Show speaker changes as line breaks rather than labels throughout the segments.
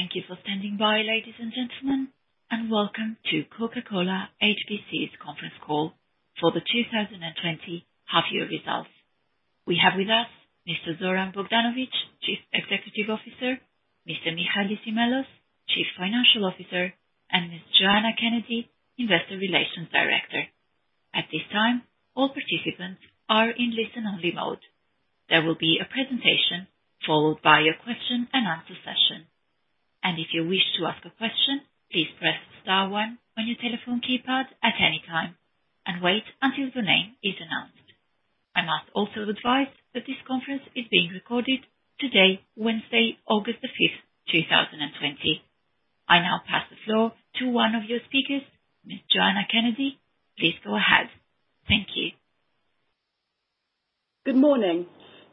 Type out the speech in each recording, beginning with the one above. Thank you for standing by, ladies and gentlemen, and welcome to Coca-Cola HBC's conference call for the 2020 half-year results. We have with us Mr. Zoran Bogdanovic, Chief Executive Officer, Mr. Michalis Imellos, Chief Financial Officer, and Ms. Joanna Kennedy, Investor Relations Director. At this time, all participants are in listen-only mode. There will be a presentation followed by a question-and-answer session. If you wish to ask a question, please press star one on your telephone keypad at any time and wait until the name is announced. I must also advise that this conference is being recorded today, Wednesday, August the 5th, 2020. I now pass the floor to one of your speakers, Ms. Joanna Kennedy. Please go ahead. Thank you.
Good morning.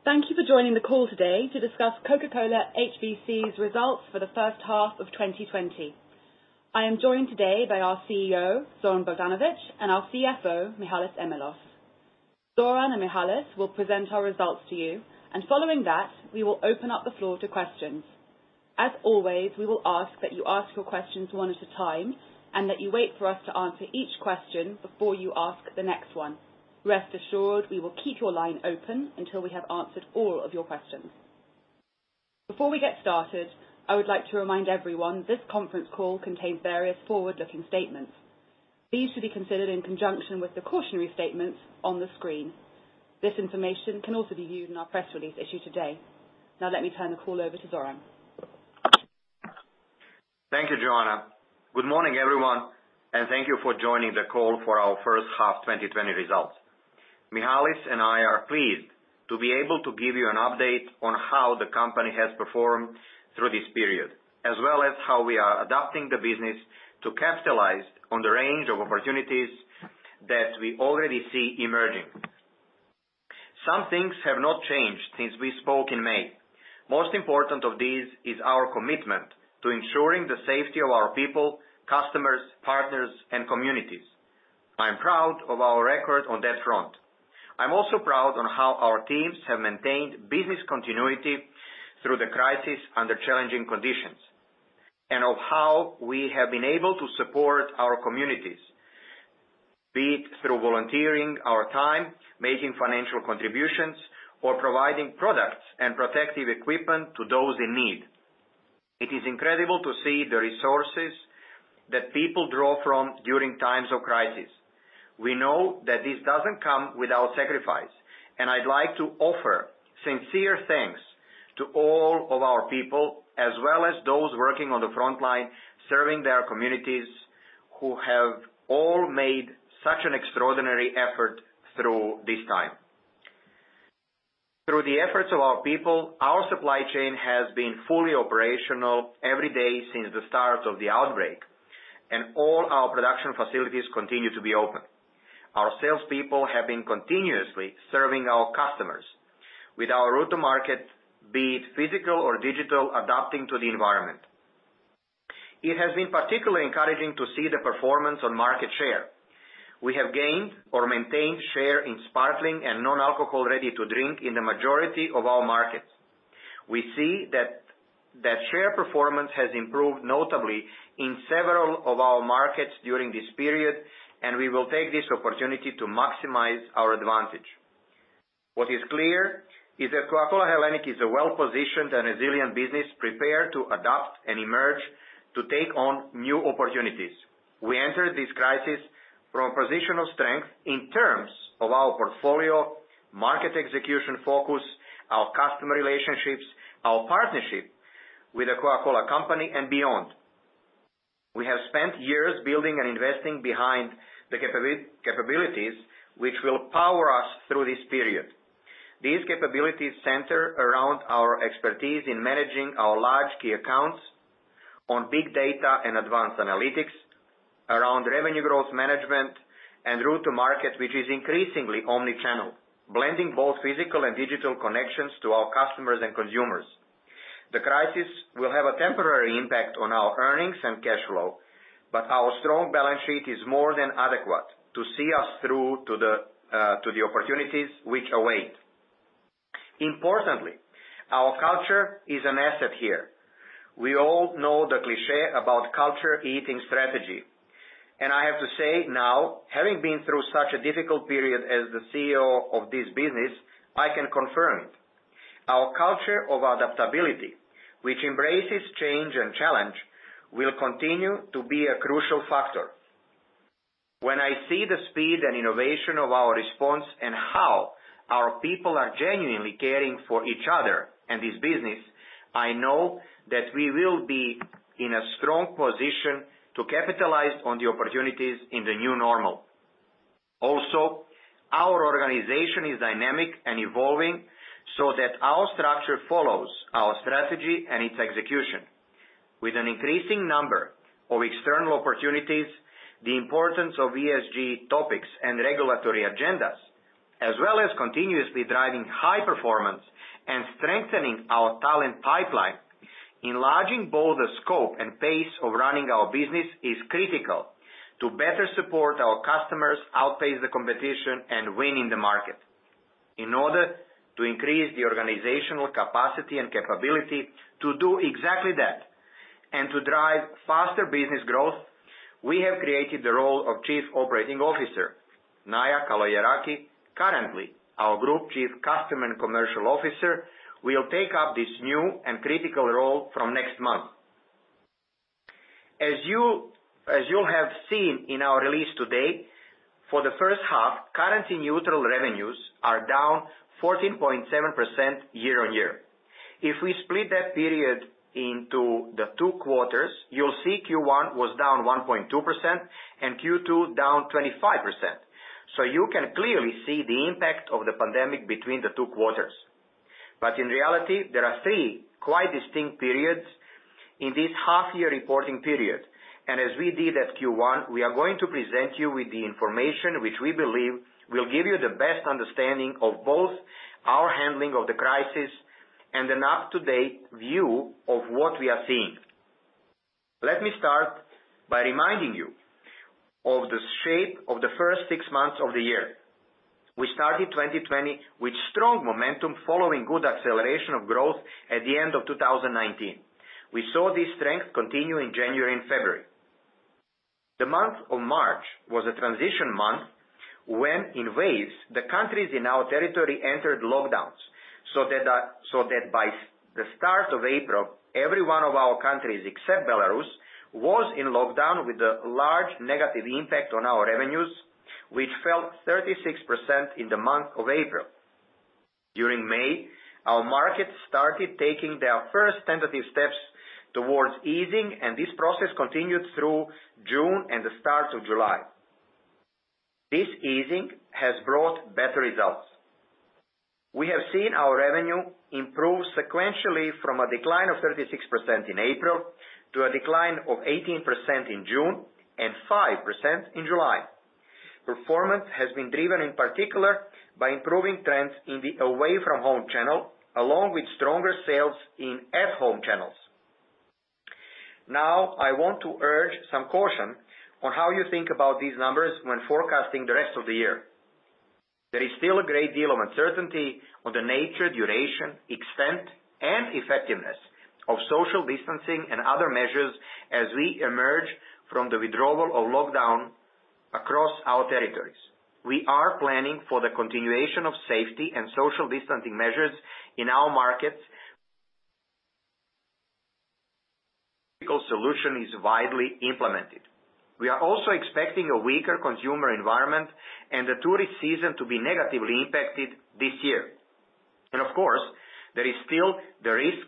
Thank you for joining the call today to discuss Coca-Cola HBC's results for the first half of 2020. I am joined today by our CEO, Zoran Bogdanovic, and our CFO, Michalis Imellos. Zoran and Michalis will present our results to you, and following that, we will open up the floor to questions. As always, we will ask that you ask your questions one at a time and that you wait for us to answer each question before you ask the next one. Rest assured, we will keep your line open until we have answered all of your questions. Before we get started, I would like to remind everyone this conference call contains various forward-looking statements. These should be considered in conjunction with the cautionary statements on the screen. This information can also be viewed in our press release issued today. Now, let me turn the call over to Zoran.
Thank you, Joanna. Good morning, everyone, and thank you for joining the call for our first half 2020 results. Michalis and I are pleased to be able to give you an update on how the company has performed through this period, as well as how we are adapting the business to capitalize on the range of opportunities that we already see emerging. Some things have not changed since we spoke in May. Most important of these is our commitment to ensuring the safety of our people, customers, partners, and communities. I'm proud of our record on that front. I'm also proud of how our teams have maintained business continuity through the crisis under challenging conditions and of how we have been able to support our communities, be it through volunteering, our time, making financial contributions, or providing products and protective equipment to those in need. It is incredible to see the resources that people draw from during times of crisis. We know that this doesn't come without sacrifice, and I'd like to offer sincere thanks to all of our people, as well as those working on the front line, serving their communities, who have all made such an extraordinary effort through this time. Through the efforts of our people, our supply chain has been fully operational every day since the start of the outbreak, and all our production facilities continue to be open. Our salespeople have been continuously serving our customers with our route to market, be it physical or digital, adapting to the environment. It has been particularly encouraging to see the performance on market share. We have gained or maintained share in sparkling and non-alcohol ready-to-drink in the majority of our markets. We see that share performance has improved notably in several of our markets during this period, and we will take this opportunity to maximize our advantage. What is clear is that Coca-Cola HBC is a well-positioned and resilient business prepared to adapt and emerge to take on new opportunities. We entered this crisis from a position of strength in terms of our portfolio, market execution focus, our customer relationships, our partnership with the Coca-Cola Company, and beyond. We have spent years building and investing behind the capabilities which will power us through this period. These capabilities center around our expertise in managing our large key accounts on big data and advanced analytics, around revenue growth management, and route to market, which is increasingly omnichannel, blending both physical and digital connections to our customers and consumers. The crisis will have a temporary impact on our earnings and cash flow, but our strong balance sheet is more than adequate to see us through to the opportunities which await. Importantly, our culture is an asset here. We all know the cliché about culture-eating strategy, and I have to say now, having been through such a difficult period as the CEO of this business, I can confirm it. Our culture of adaptability, which embraces change and challenge, will continue to be a crucial factor. When I see the speed and innovation of our response and how our people are genuinely caring for each other and this business, I know that we will be in a strong position to capitalize on the opportunities in the new normal. Also, our organization is dynamic and evolving so that our structure follows our strategy and its execution. With an increasing number of external opportunities, the importance of ESG topics and regulatory agendas, as well as continuously driving high performance and strengthening our talent pipeline, enlarging both the scope and pace of running our business is critical to better support our customers, outpace the competition, and win in the market. In order to increase the organizational capacity and capability to do exactly that and to drive faster business growth, we have created the role of Chief Operating Officer, Naya Kalogeraki. Currently, our Group Chief Customer and Commercial Officer will take up this new and critical role from next month. As you have seen in our release today, for the first half, currency-neutral revenues are down 14.7% year-on-year. If we split that period into the two quarters, you'll see Q1 was down 1.2% and Q2 down 25%. So you can clearly see the impact of the pandemic between the two quarters. But in reality, there are three quite distinct periods in this half-year reporting period, and as we did at Q1, we are going to present you with the information which we believe will give you the best understanding of both our handling of the crisis and an up-to-date view of what we are seeing. Let me start by reminding you of the shape of the first six months of the year. We started 2020 with strong momentum following good acceleration of growth at the end of 2019. We saw this strength continue in January and February. The month of March was a transition month when, in waves, the countries in our territory entered lockdowns so that by the start of April, every one of our countries, except Belarus, was in lockdown with a large negative impact on our revenues, which fell 36% in the month of April. During May, our market started taking their first tentative steps towards easing, and this process continued through June and the start of July. This easing has brought better results. We have seen our revenue improve sequentially from a decline of 36% in April to a decline of 18% in June and 5% in July. Performance has been driven in particular by improving trends in the away-from-home channel along with stronger sales in at-home channels. Now, I want to urge some caution on how you think about these numbers when forecasting the rest of the year. There is still a great deal of uncertainty on the nature, duration, extent, and effectiveness of social distancing and other measures as we emerge from the withdrawal of lockdown across our territories. We are planning for the continuation of safety and social distancing measures in our markets. The critical solution is widely implemented. We are also expecting a weaker consumer environment and the tourist season to be negatively impacted this year, and of course, there is still the risk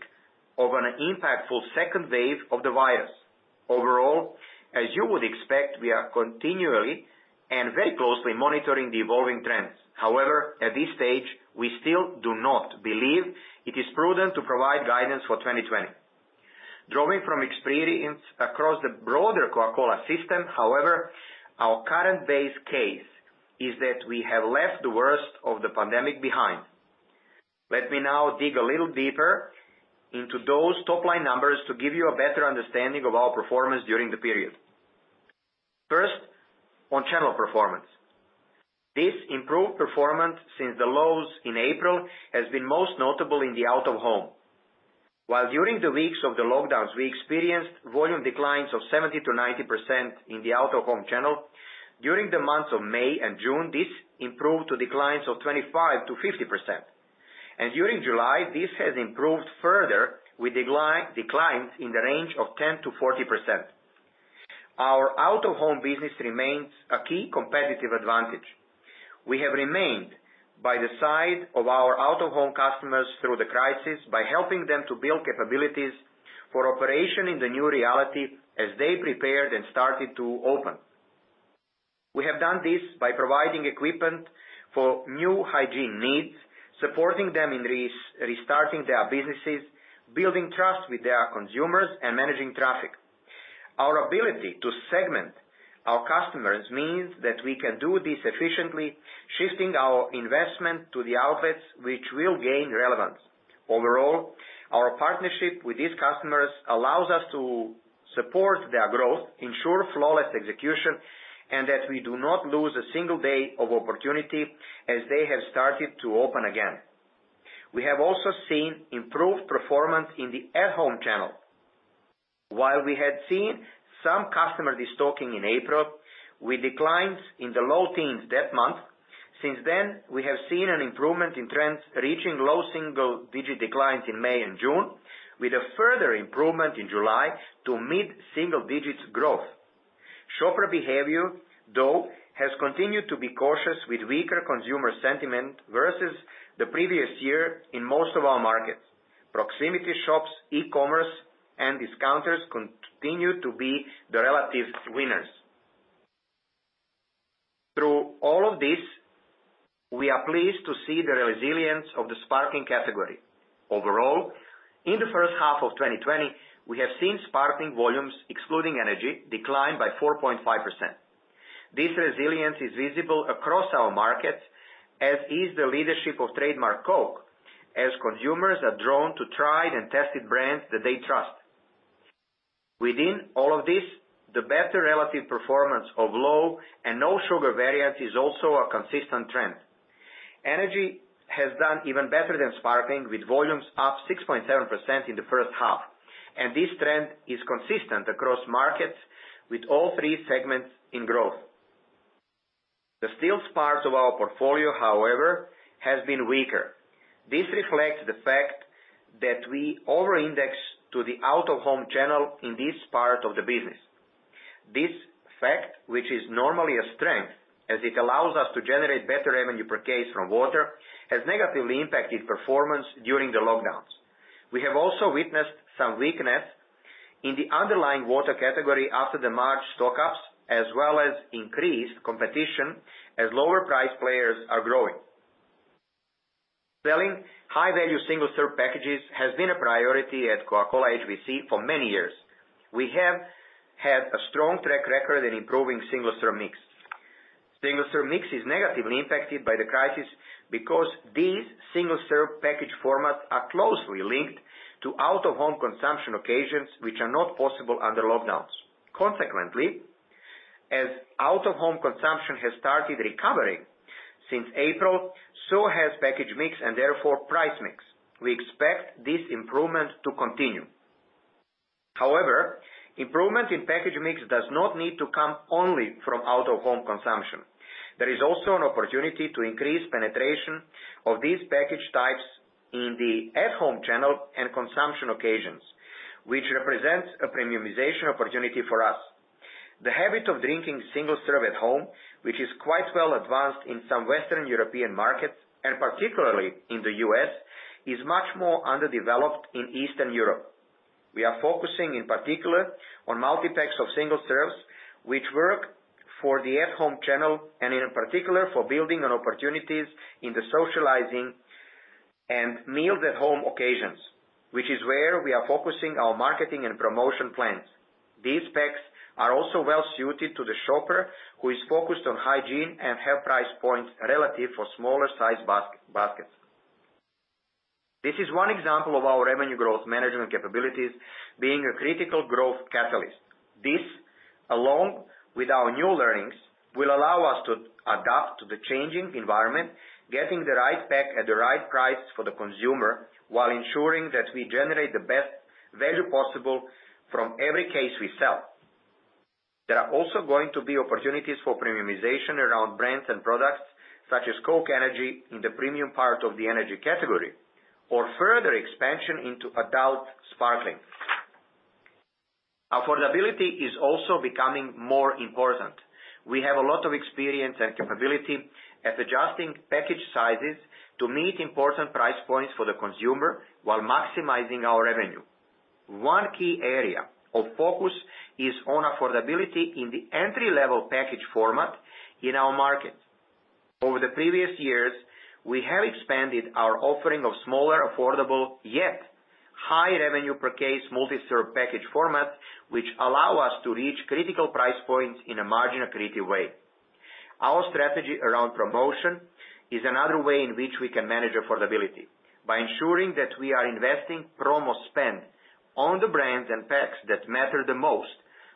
of an impactful second wave of the virus. Overall, as you would expect, we are continually and very closely monitoring the evolving trends. However, at this stage, we still do not believe it is prudent to provide guidance for 2020. Drawing from experience across the broader Coca-Cola system, however, our current base case is that we have left the worst of the pandemic behind. Let me now dig a little deeper into those top-line numbers to give you a better understanding of our performance during the period. First, on channel performance. This improved performance since the lows in April has been most notable in the out-of-home. While during the weeks of the lockdowns, we experienced volume declines of 70%-90% in the out-of-home channel, during the months of May and June, this improved to declines of 25%-50%, and during July, this has improved further with declines in the range of 10%-40%. Our out-of-home business remains a key competitive advantage. We have remained by the side of our out-of-home customers through the crisis by helping them to build capabilities for operation in the new reality as they prepared and started to open. We have done this by providing equipment for new hygiene needs, supporting them in restarting their businesses, building trust with their consumers, and managing traffic. Our ability to segment our customers means that we can do this efficiently, shifting our investment to the outlets which will gain relevance. Overall, our partnership with these customers allows us to support their growth, ensure flawless execution, and that we do not lose a single day of opportunity as they have started to open again. We have also seen improved performance in the at-home channel. While we had seen some customer destocking in April, with declines in the low teens that month, since then, we have seen an improvement in trends reaching low single-digit declines in May and June, with a further improvement in July to mid-single-digit growth. Shopper behavior, though, has continued to be cautious with weaker consumer sentiment versus the previous year in most of our markets. Proximity shops, e-commerce, and discounters continue to be the relative winners. Through all of this, we are pleased to see the resilience of the sparkling category. Overall, in the first half of 2020, we have seen sparkling volumes, excluding energy, decline by 4.5%. This resilience is visible across our markets, as is the leadership of Trademark Coke, as consumers are drawn to tried-and-tested brands that they trust. Within all of this, the better relative performance of low and no sugar variants is also a consistent trend. Energy has done even better than sparkling, with volumes up 6.7% in the first half, and this trend is consistent across markets with all three segments in growth. The still part of our portfolio, however, has been weaker. This reflects the fact that we over-index to the out-of-home channel in this part of the business. This fact, which is normally a strength as it allows us to generate better revenue per case from water, has negatively impacted performance during the lockdowns. We have also witnessed some weakness in the underlying water category after the March stock-ups, as well as increased competition as lower-priced players are growing. Selling high-value single-serve packages has been a priority at Coca-Cola HBC for many years. We have had a strong track record in improving single-serve mix. Single-serve mix is negatively impacted by the crisis because these single-serve package formats are closely linked to out-of-home consumption occasions which are not possible under lockdowns. Consequently, as out-of-home consumption has started recovering since April, so has package mix and therefore price mix. We expect this improvement to continue. However, improvement in package mix does not need to come only from out-of-home consumption. There is also an opportunity to increase penetration of these package types in the at-home channel and consumption occasions, which represents a premiumization opportunity for us. The habit of drinking single-serve at home, which is quite well advanced in some Western European markets and particularly in the U.S., is much more underdeveloped in Eastern Europe. We are focusing in particular on multi-packs of single-serves, which work for the at-home channel and in particular for building on opportunities in the socializing and meals-at-home occasions, which is where we are focusing our marketing and promotion plans. These packs are also well suited to the shopper who is focused on hygiene and have price points relative for smaller-sized baskets. This is one example of our revenue growth management capabilities being a critical growth catalyst. This, along with our new learnings, will allow us to adapt to the changing environment, getting the right pack at the right price for the consumer while ensuring that we generate the best value possible from every case we sell. There are also going to be opportunities for premiumization around brands and products such as Coke Energy in the premium part of the energy category or further expansion into adult sparkling. Affordability is also becoming more important. We have a lot of experience and capability at adjusting package sizes to meet important price points for the consumer while maximizing our revenue. One key area of focus is on affordability in the entry-level package format in our market. Over the previous years, we have expanded our offering of smaller, affordable, yet high-revenue-per-case multi-serve package formats, which allow us to reach critical price points in a margin-accretive way. Our strategy around promotion is another way in which we can manage affordability. By ensuring that we are investing promo spend on the brands and packs that matter the most,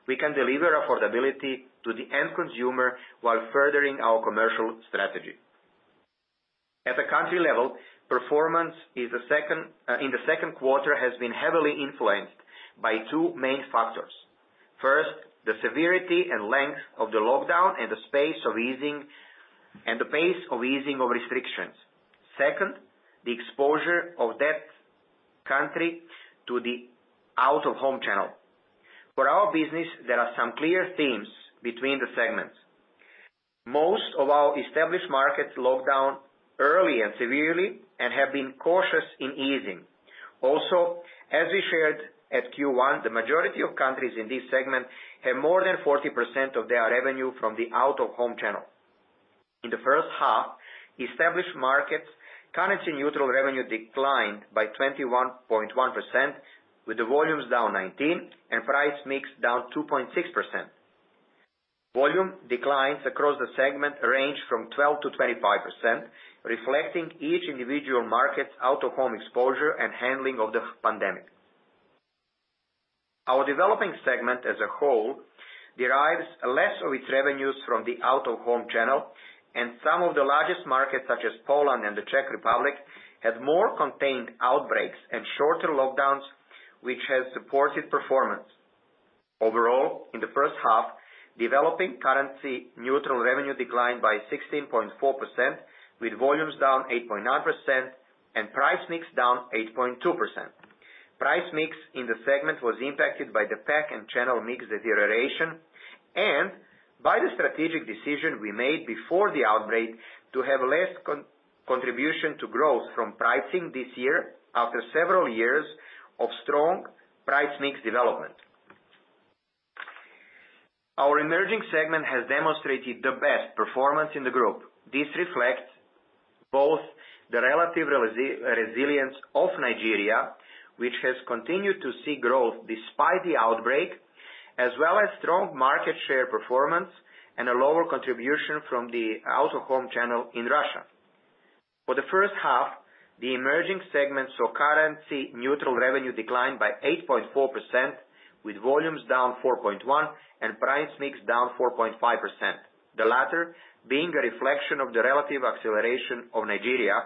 we can deliver affordability to the end consumer while furthering our commercial strategy. At the country level, performance in the second quarter has been heavily influenced by two main factors. First, the severity and length of the lockdown and the pace of easing and the pace of easing of restrictions. Second, the exposure of that country to the out-of-home channel. For our business, there are some clear themes between the segments. Most of our established markets locked down early and severely and have been cautious in easing. Also, as we shared at Q1, the majority of countries in this segment have more than 40% of their revenue from the out-of-home channel. In the first half, established markets' currency-neutral revenue declined by 21.1%, with the volumes down 19% and price mix down 2.6%. Volume declines across the segment ranged from 12%-25%, reflecting each individual market's out-of-home exposure and handling of the pandemic. Our developing segment as a whole derives less of its revenues from the out-of-home channel, and some of the largest markets such as Poland and the Czech Republic had more contained outbreaks and shorter lockdowns, which has supported performance. Overall, in the first half, developing currency-neutral revenue declined by 16.4%, with volumes down 8.9% and price mix down 8.2%. Price mix in the segment was impacted by the pack and channel mix deterioration and by the strategic decision we made before the outbreak to have less contribution to growth from pricing this year after several years of strong price mix development. Our emerging segment has demonstrated the best performance in the group. This reflects both the relative resilience of Nigeria, which has continued to see growth despite the outbreak, as well as strong market share performance and a lower contribution from the out-of-home channel in Russia. For the first half, the emerging segment saw currency-neutral revenue decline by 8.4%, with volumes down 4.1% and price mix down 4.5%, the latter being a reflection of the relative acceleration of Nigeria,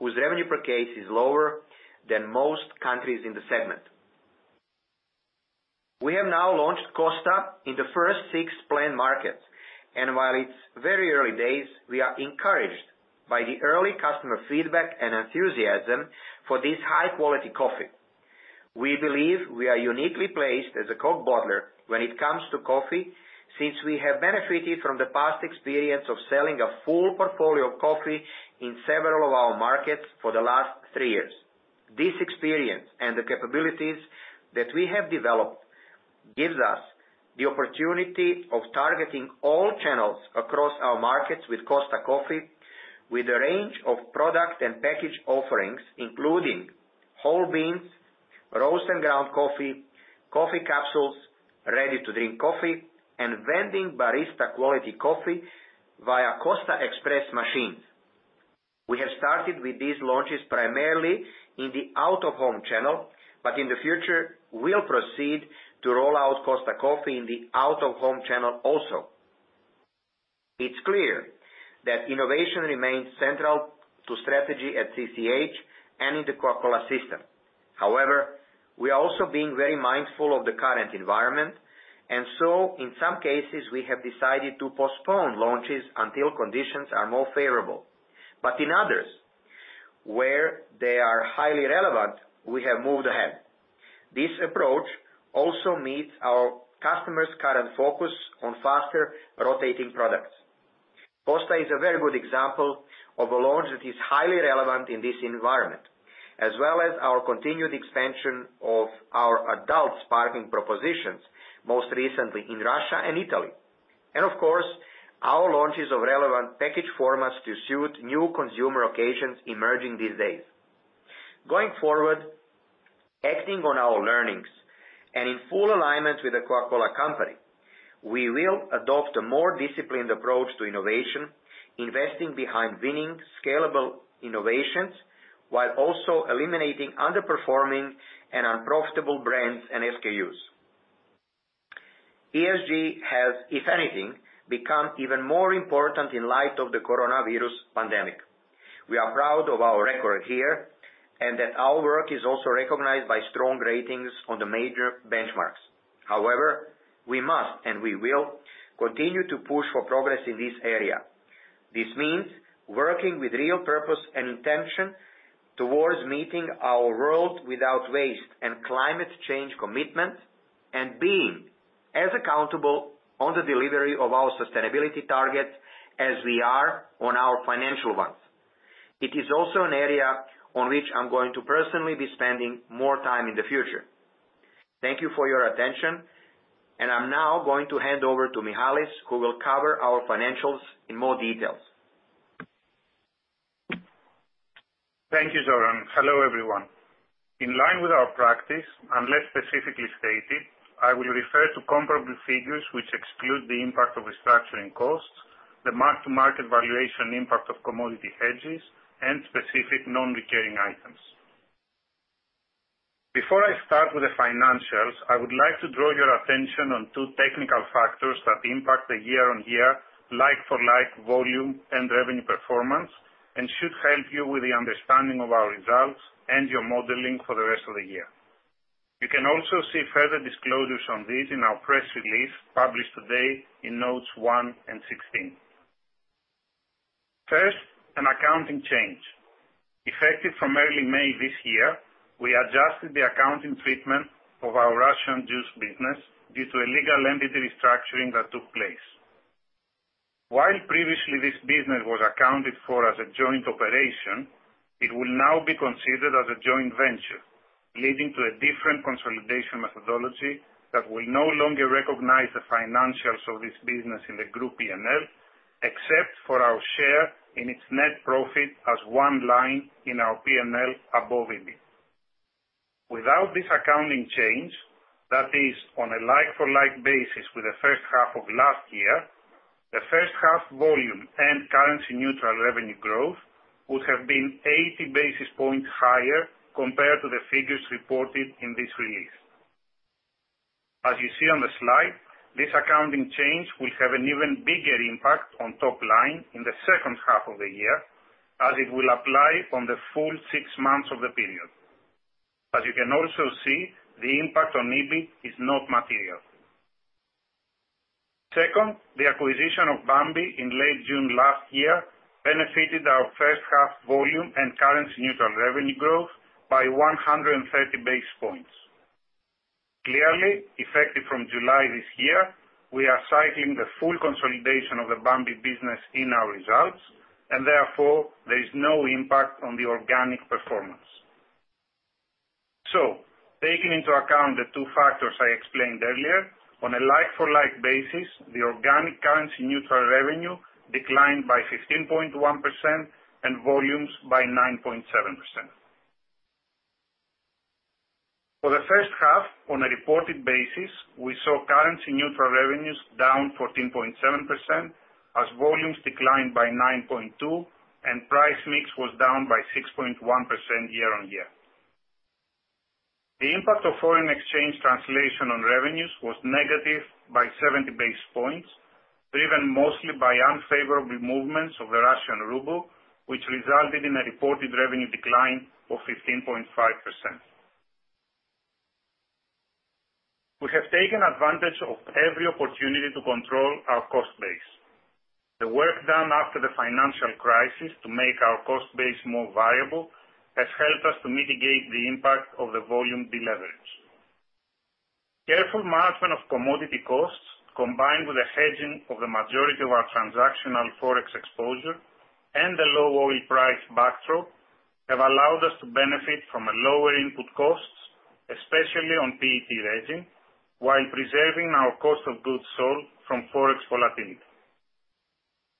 whose revenue per case is lower than most countries in the segment. We have now launched Costa in the first six planned markets, and while it's very early days, we are encouraged by the early customer feedback and enthusiasm for this high-quality coffee. We believe we are uniquely placed as a Coke bottler when it comes to coffee since we have benefited from the past experience of selling a full portfolio of coffee in several of our markets for the last three years. This experience and the capabilities that we have developed give us the opportunity of targeting all channels across our markets with Costa Coffee, with a range of product and package offerings including whole beans, roast and ground coffee, coffee capsules, ready-to-drink coffee, and vending barista-quality coffee via Costa Express machines. We have started with these launches primarily in the out-of-home channel, but in the future, we'll proceed to roll out Costa Coffee in the out-of-home channel also. It's clear that innovation remains central to strategy at CCH and in the Coca-Cola system. However, we are also being very mindful of the current environment, and so in some cases, we have decided to postpone launches until conditions are more favorable. But in others, where they are highly relevant, we have moved ahead. This approach also meets our customers' current focus on faster rotating products. Costa is a very good example of a launch that is highly relevant in this environment, as well as our continued expansion of our adult sparkling propositions, most recently in Russia and Italy. And of course, our launches of relevant package formats to suit new consumer occasions emerging these days. Going forward, acting on our learnings and in full alignment with the Coca-Cola Company, we will adopt a more disciplined approach to innovation, investing behind winning scalable innovations while also eliminating underperforming and unprofitable brands and SKUs. ESG has, if anything, become even more important in light of the coronavirus pandemic. We are proud of our record here and that our work is also recognized by strong ratings on the major benchmarks. However, we must and we will continue to push for progress in this area. This means working with real purpose and intention towards meeting our World Without Waste and climate change commitment and being as accountable on the delivery of our sustainability targets as we are on our financial ones. It is also an area on which I'm going to personally be spending more time in the future. Thank you for your attention, and I'm now going to hand over to Michalis who will cover our financials in more details.
Thank you, Zoran. Hello, everyone. In line with our practice, unless specifically stated, I will refer to comparable figures which exclude the impact of restructuring costs, the mark-to-market valuation impact of commodity hedges, and specific non-recurring items. Before I start with the financials, I would like to draw your attention on two technical factors that impact the year-on-year like-for-like volume and revenue performance and should help you with the understanding of our results and your modeling for the rest of the year. You can also see further disclosures on this in our press release published today in notes 1 and 16. First, an accounting change. Effective from early May this year, we adjusted the accounting treatment of our Russian juice business due to a legal entity restructuring that took place. While previously this business was accounted for as a joint operation, it will now be considered as a joint venture, leading to a different consolidation methodology that will no longer recognize the financials of this business in the group P&L, except for our share in its net profit as one line in our P&L above it. Without this accounting change, that is, on a like-for-like basis with the first half of last year, the first half volume and currency-neutral revenue growth would have been 80 basis points higher compared to the figures reported in this release. As you see on the slide, this accounting change will have an even bigger impact on top line in the second half of the year as it will apply on the full six months of the period. As you can also see, the impact on EBIT is not material. Second, the acquisition of Bambi in late June last year benefited our first half volume and currency-neutral revenue growth by 130 basis points. Clearly, effective from July this year, we are cycling the full consolidation of the Bambi business in our results, and therefore, there is no impact on the organic performance. So, taking into account the two factors I explained earlier, on a like-for-like basis, the organic currency-neutral revenue declined by 15.1% and volumes by 9.7%. For the first half, on a reported basis, we saw currency-neutral revenues down 14.7% as volumes declined by 9.2% and price mix was down by 6.1% year-on-year. The impact of foreign exchange translation on revenues was negative by 70 basis points, driven mostly by unfavorable movements of the Russian ruble, which resulted in a reported revenue decline of 15.5%. We have taken advantage of every opportunity to control our cost base. The work done after the financial crisis to make our cost base more viable has helped us to mitigate the impact of the volume deleveraged. Careful management of commodity costs, combined with the hedging of the majority of our transactional forex exposure and the low oil price backdrop, have allowed us to benefit from lower input costs, especially on PET resin, while preserving our cost of goods sold from forex volatility.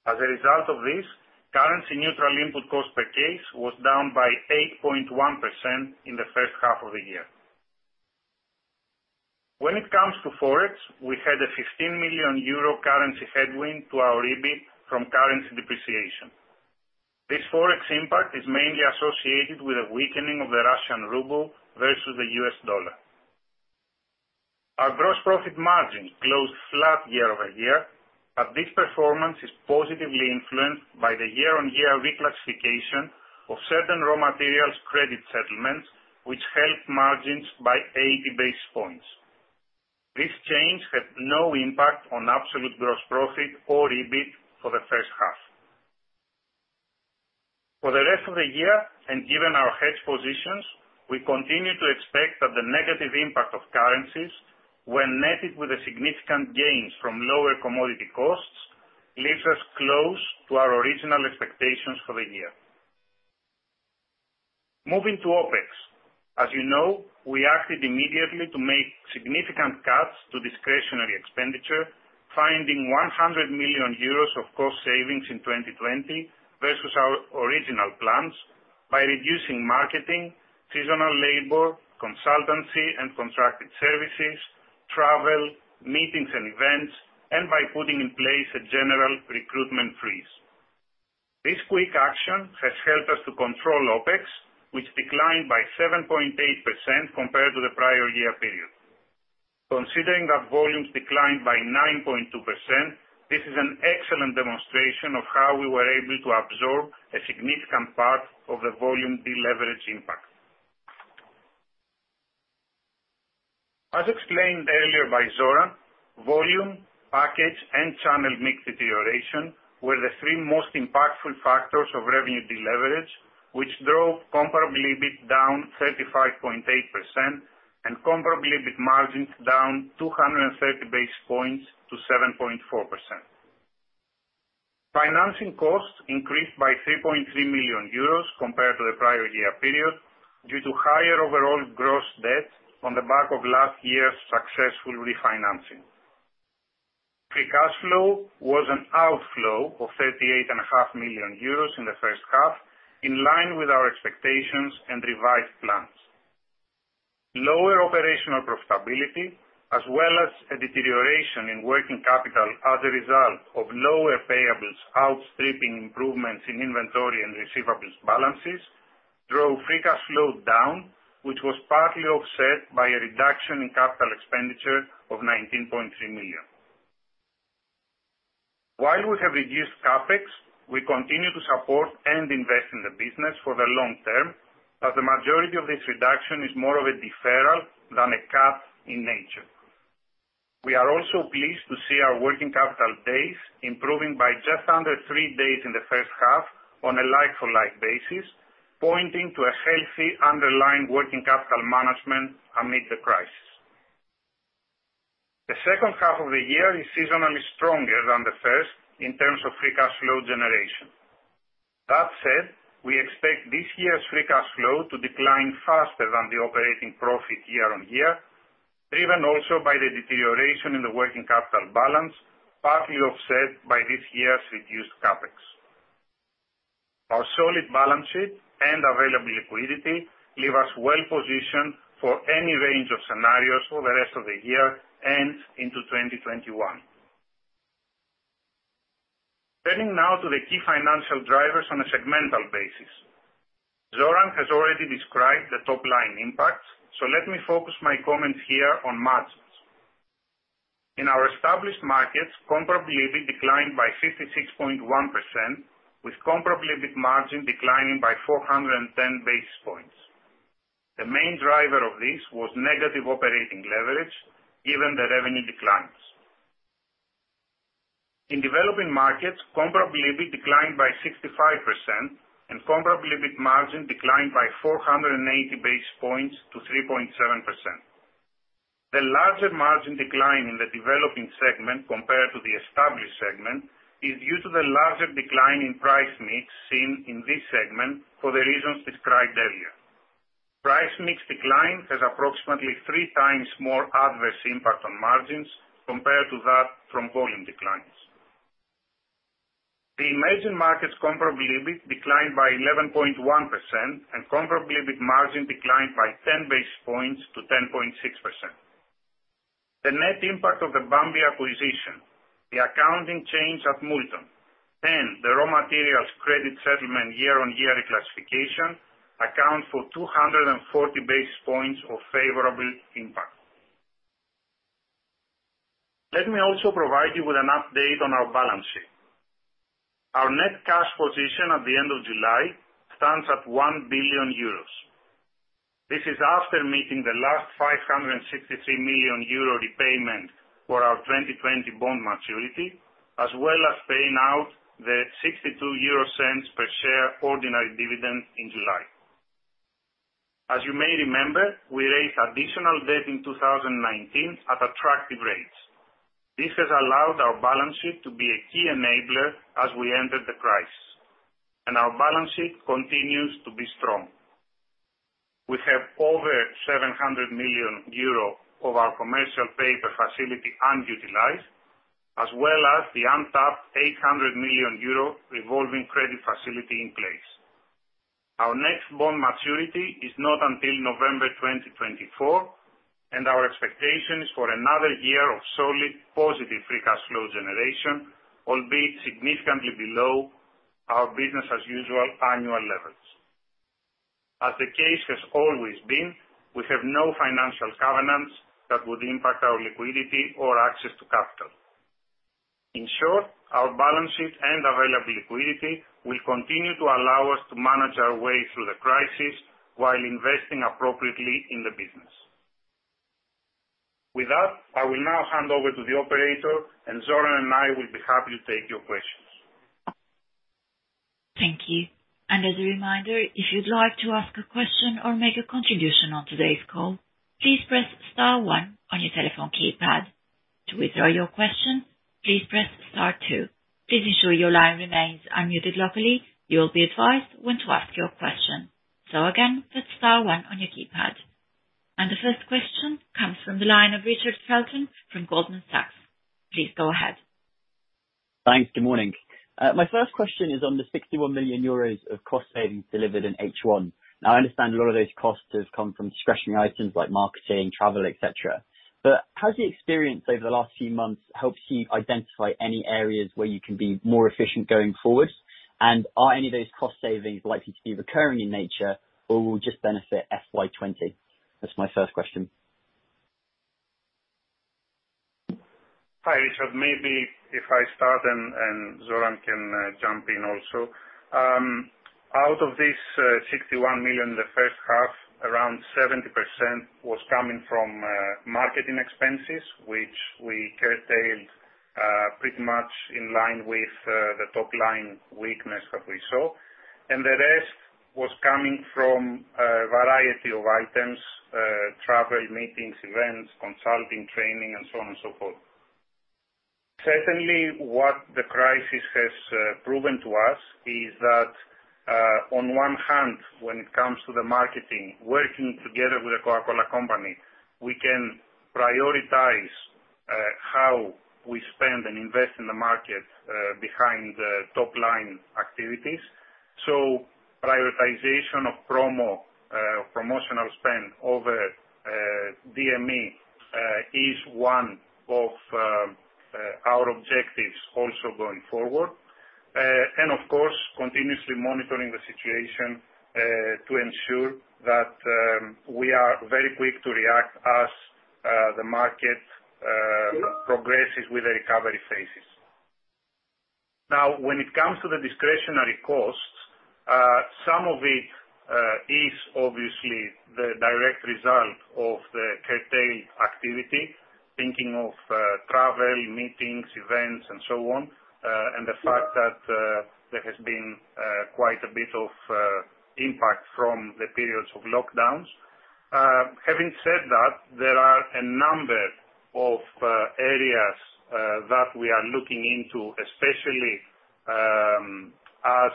As a result of this, currency-neutral input cost per case was down by 8.1% in the first half of the year. When it comes to forex, we had a 15 million euro currency headwind to our EBIT from currency depreciation. This forex impact is mainly associated with a weakening of the Russian ruble versus the US dollar. Our gross profit margin closed flat year-over-year, but this performance is positively influenced by the year-on-year reclassification of certain raw materials credit settlements, which helped margins by 80 basis points. This change had no impact on absolute gross profit or EBIT for the first half. For the rest of the year and given our hedge positions, we continue to expect that the negative impact of currencies, when netted with significant gains from lower commodity costs, leaves us close to our original expectations for the year. Moving to OpEx. As you know, we acted immediately to make significant cuts to discretionary expenditure, finding 100 million euros of cost savings in 2020 versus our original plans by reducing marketing, seasonal labor, consultancy, and contracted services, travel, meetings and events, and by putting in place a general recruitment freeze. This quick action has helped us to control OpEx, which declined by 7.8% compared to the prior year period. Considering that volumes declined by 9.2%, this is an excellent demonstration of how we were able to absorb a significant part of the volume deleverage impact. As explained earlier by Zoran, volume, package, and channel mix deterioration were the three most impactful factors of revenue deleverage, which drove comparable EBIT down 35.8% and comparable EBIT margins down 230 basis points to 7.4%. Financing costs increased by 3.3 million euros compared to the prior year period due to higher overall gross debt on the back of last year's successful refinancing. Free cash flow was an outflow of 38.5 million euros in the first half, in line with our expectations and revised plans. Lower operational profitability, as well as a deterioration in working capital as a result of lower payables outstripping improvements in inventory and receivables balances, drove free cash flow down, which was partly offset by a reduction in capital expenditure of 19.3 million. While we have reduced CapEx, we continue to support and invest in the business for the long term, as the majority of this reduction is more of a deferral than a cut in nature. We are also pleased to see our working capital days improving by just under three days in the first half on a like-for-like basis, pointing to a healthy underlying working capital management amid the crisis. The second half of the year is seasonally stronger than the first in terms of free cash flow generation. That said, we expect this year's free cash flow to decline faster than the operating profit year-on-year, driven also by the deterioration in the working capital balance, partly offset by this year's reduced CapEx. Our solid balance sheet and available liquidity leave us well positioned for any range of scenarios for the rest of the year and into 2021. Turning now to the key financial drivers on a segmental basis. Zoran has already described the top line impacts, so let me focus my comments here on margins. In our established markets, comparable EBIT declined by 56.1%, with comparable EBIT margin declining by 410 basis points. The main driver of this was negative operating leverage, given the revenue declines. In developing markets, comparable EBIT declined by 65%, and comparable EBIT margin declined by 480 basis points to 3.7%. The larger margin decline in the developing segment compared to the established segment is due to the larger decline in price mix seen in this segment for the reasons described earlier. Price mix decline has approximately three times more adverse impact on margins compared to that from volume declines. The emerging markets comparable EBIT declined by 11.1%, and comparable EBIT margin declined by 10 basis points to 10.6%. The net impact of the Bambi acquisition, the accounting change at Multon, and the raw materials credit settlement year-on-year reclassification account for 240 basis points of favorable impact. Let me also provide you with an update on our balance sheet. Our net cash position at the end of July stands at €1 billion. This is after meeting the last €563 million repayment for our 2020 bond maturity, as well as paying out the €62 per share ordinary dividend in July. As you may remember, we raised additional debt in 2019 at attractive rates. This has allowed our balance sheet to be a key enabler as we entered the crisis, and our balance sheet continues to be strong. We have over €700 million of our commercial paper facility unutilized, as well as the untapped €800 million revolving credit facility in place. Our next bond maturity is not until November 2024, and our expectation is for another year of solid positive free cash flow generation, albeit significantly below our business-as-usual annual levels. As the case has always been, we have no financial covenants that would impact our liquidity or access to capital. In short, our balance sheet and available liquidity will continue to allow us to manage our way through the crisis while investing appropriately in the business. With that, I will now hand over to the operator, and Zoran and I will be happy to take your questions.
Thank you. And as a reminder, if you'd like to ask a question or make a contribution on today's call, please press Star 1 on your telephone keypad. To withdraw your question, please press Star 2. Please ensure your line remains unmuted locally. You'll be advised when to ask your question. So again, press Star 1 on your keypad. And the first question comes from the line of Richard Felton from Goldman Sachs. Please go ahead.
Thanks. Good morning. My first question is on the 61 million euros of cost savings delivered in H1. Now, I understand a lot of those costs have come from discretionary items like marketing, travel, etc. But has the experience over the last few months helped you identify any areas where you can be more efficient going forward? And are any of those cost savings likely to be recurring in nature, or will just benefit FY20? That's my first question.
Hi, Richard. Maybe if I start, and Zoran can jump in also. Out of this 61 million in the first half, around 70% was coming from marketing expenses, which we curtailed pretty much in line with the top line weakness that we saw, and the rest was coming from a variety of items: travel, meetings, events, consulting, training, and so on and so forth. Certainly, what the crisis has proven to us is that, on one hand, when it comes to the marketing, working together with the Coca-Cola Company, we can prioritize how we spend and invest in the market behind top line activities, so prioritization of promotional spend over DME is one of our objectives also going forward, and, of course, continuously monitoring the situation to ensure that we are very quick to react as the market progresses with the recovery phases. Now, when it comes to the discretionary costs, some of it is obviously the direct result of the curtailed activity, thinking of travel, meetings, events, and so on, and the fact that there has been quite a bit of impact from the periods of lockdowns. Having said that, there are a number of areas that we are looking into, especially as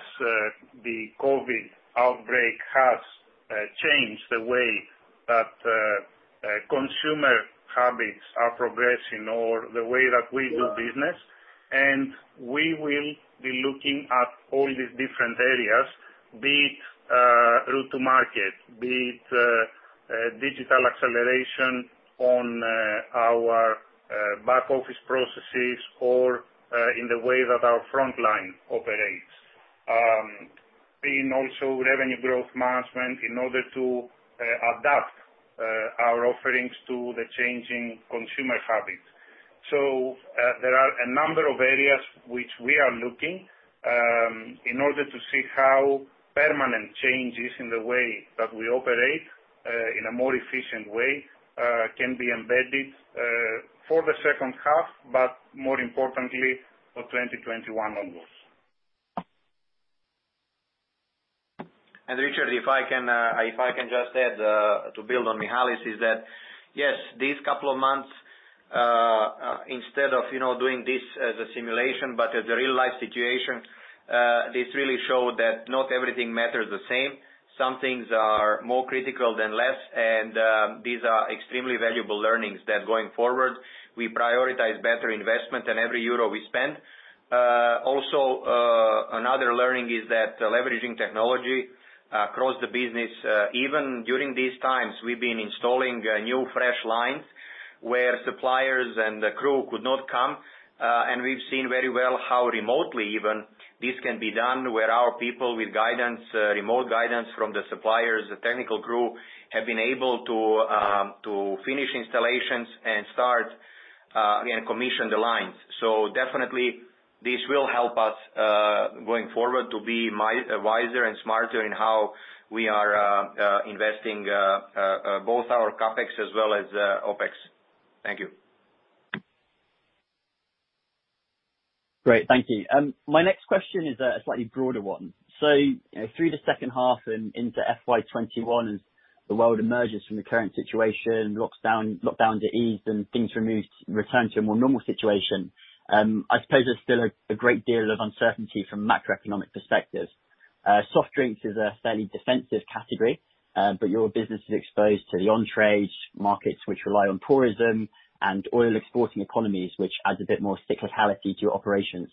the COVID outbreak has changed the way that consumer habits are progressing or the way that we do business, and we will be looking at all these different areas, be it route to market, be it digital acceleration on our back office processes, or in the way that our front line operates, and also revenue growth management in order to adapt our offerings to the changing consumer habits. So there are a number of areas which we are looking in order to see how permanent changes in the way that we operate in a more efficient way can be embedded for the second half, but more importantly, for 2021 onwards.
Richard, if I can just add, to build on Michalis's, is that yes, these couple of months, instead of doing this as a simulation, but as a real-life situation, this really showed that not everything matters the same. Some things are more critical than less, and these are extremely valuable learnings that going forward, we prioritize better investment in every euro we spend. Also, another learning is that leveraging technology across the business, even during these times, we've been installing new fresh lines where suppliers and the crew could not come. We've seen very well how remotely even this can be done, where our people with remote guidance from the suppliers, the technical crew, have been able to finish installations and start and commission the lines. So definitely, this will help us going forward to be wiser and smarter in how we are investing both our CapEx as well as OpEx. Thank you.
Great. Thank you. My next question is a slightly broader one. So through the second half into FY21, as the world emerges from the current situation, lockdowns are eased, and things are moved, returned to a more normal situation, I suppose there's still a great deal of uncertainty from macroeconomic perspectives. Soft drinks is a fairly defensive category, but your business is exposed to the emerging markets, which rely on tourism, and oil-exporting economies, which adds a bit more cyclicality to your operations.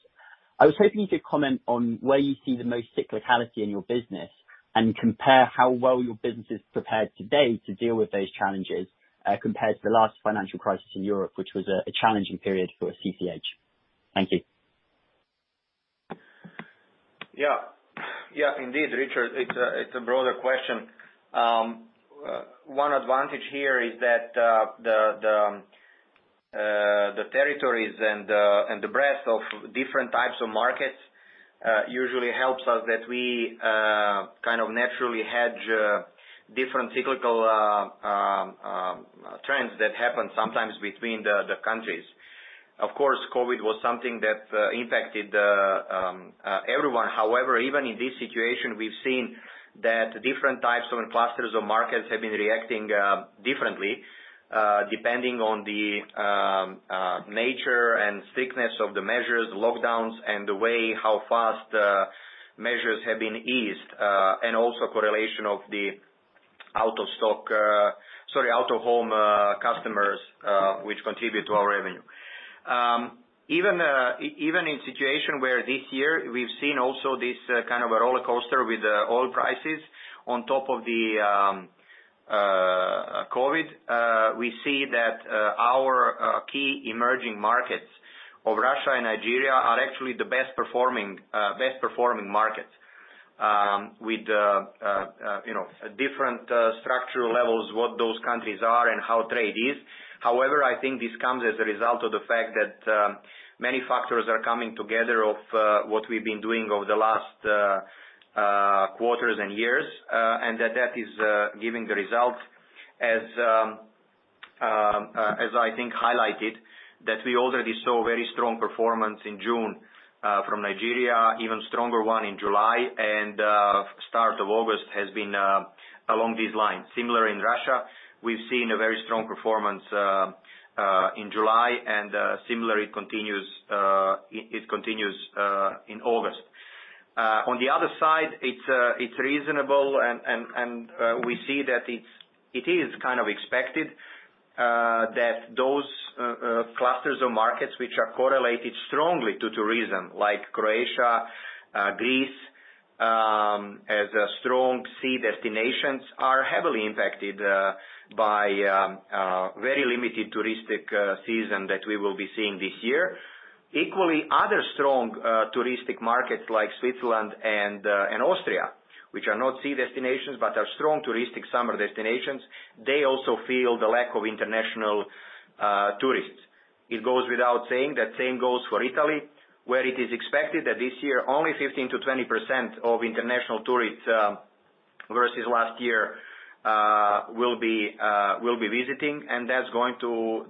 I was hoping you could comment on where you see the most cyclicality in your business and compare how well your business is prepared today to deal with those challenges compared to the last financial crisis in Europe, which was a challenging period for CCH. Thank you.
Yeah. Yeah, indeed, Richard. It's a broader question. One advantage here is that the territories and the breadth of different types of markets usually helps us that we kind of naturally hedge different cyclical trends that happen sometimes between the countries. Of course, COVID was something that impacted everyone. However, even in this situation, we've seen that different types of clusters of markets have been reacting differently, depending on the nature and strictness of the measures, the lockdowns, and the way how fast measures have been eased, and also correlation of the out-of-stock, sorry, out-of-home customers, which contribute to our revenue. Even in a situation where this year we've seen also this kind of a roller coaster with oil prices on top of the COVID, we see that our key emerging markets of Russia and Nigeria are actually the best-performing markets with different structural levels, what those countries are and how trade is. However, I think this comes as a result of the fact that many factors are coming together of what we've been doing over the last quarters and years, and that that is giving the result, as I think highlighted, that we already saw very strong performance in June from Nigeria, even stronger one in July, and start of August has been along these lines. Similar in Russia, we've seen a very strong performance in July, and similarly, it continues in August. On the other side, it's reasonable, and we see that it is kind of expected that those clusters of markets which are correlated strongly to tourism, like Croatia, Greece, as strong sea destinations, are heavily impacted by very limited touristic season that we will be seeing this year. Equally, other strong touristic markets like Switzerland and Austria, which are not sea destinations but are strong touristic summer destinations, they also feel the lack of international tourists. It goes without saying that same goes for Italy, where it is expected that this year only 15%-20% of international tourists versus last year will be visiting, and that's going to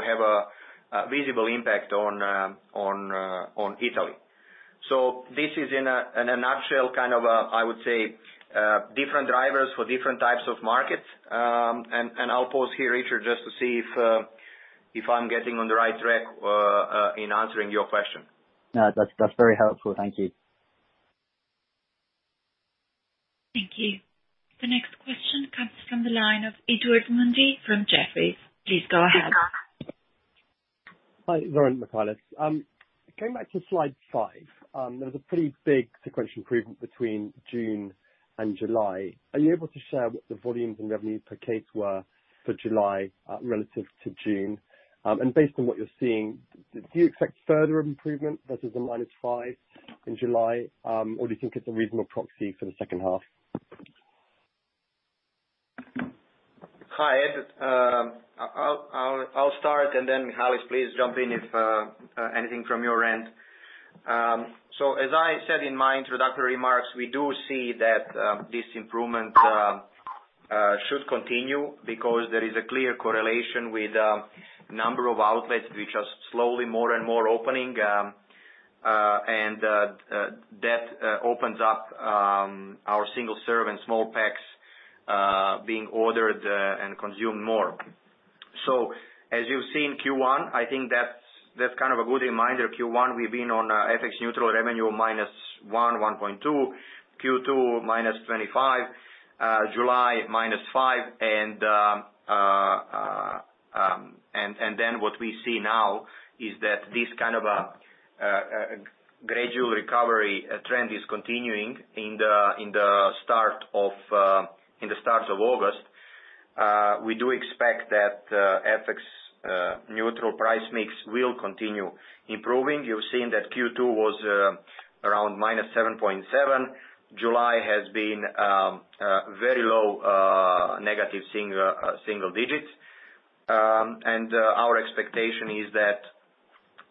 have a visible impact on Italy. So this is, in a nutshell, kind of, I would say, different drivers for different types of markets. I'll pause here, Richard, just to see if I'm getting on the right track in answering your question.
No, that's very helpful. Thank you.
Thank you. The next question comes from the line of Edward Mundy from Jefferies. Please go ahead.
Hi, Zoran and Michalis. I came back to slide five. There was a pretty big sequential improvement between June and July. Are you able to share what the volumes and revenues per case were for July relative to June? And based on what you're seeing, do you expect further improvement versus a -5% in July, or do you think it's a reasonable proxy for the second half?
Hi, Ed. I'll start, and then Michalis, please jump in if anything from your end. So as I said in my introductory remarks, we do see that this improvement should continue because there is a clear correlation with the number of outlets which are slowly more and more opening, and that opens up our single-serve and small packs being ordered and consumed more. So as you've seen Q1, I think that's kind of a good reminder. Q1, we've been on FX-neutral revenue of -1.2%. Q2, -25%. July -5%. And then what we see now is that this kind of a gradual recovery trend is continuing in the start of August. We do expect that FX-neutral price mix will continue improving. You've seen that Q2 was around -7.7%. July has been very low negative single digits. Our expectation is that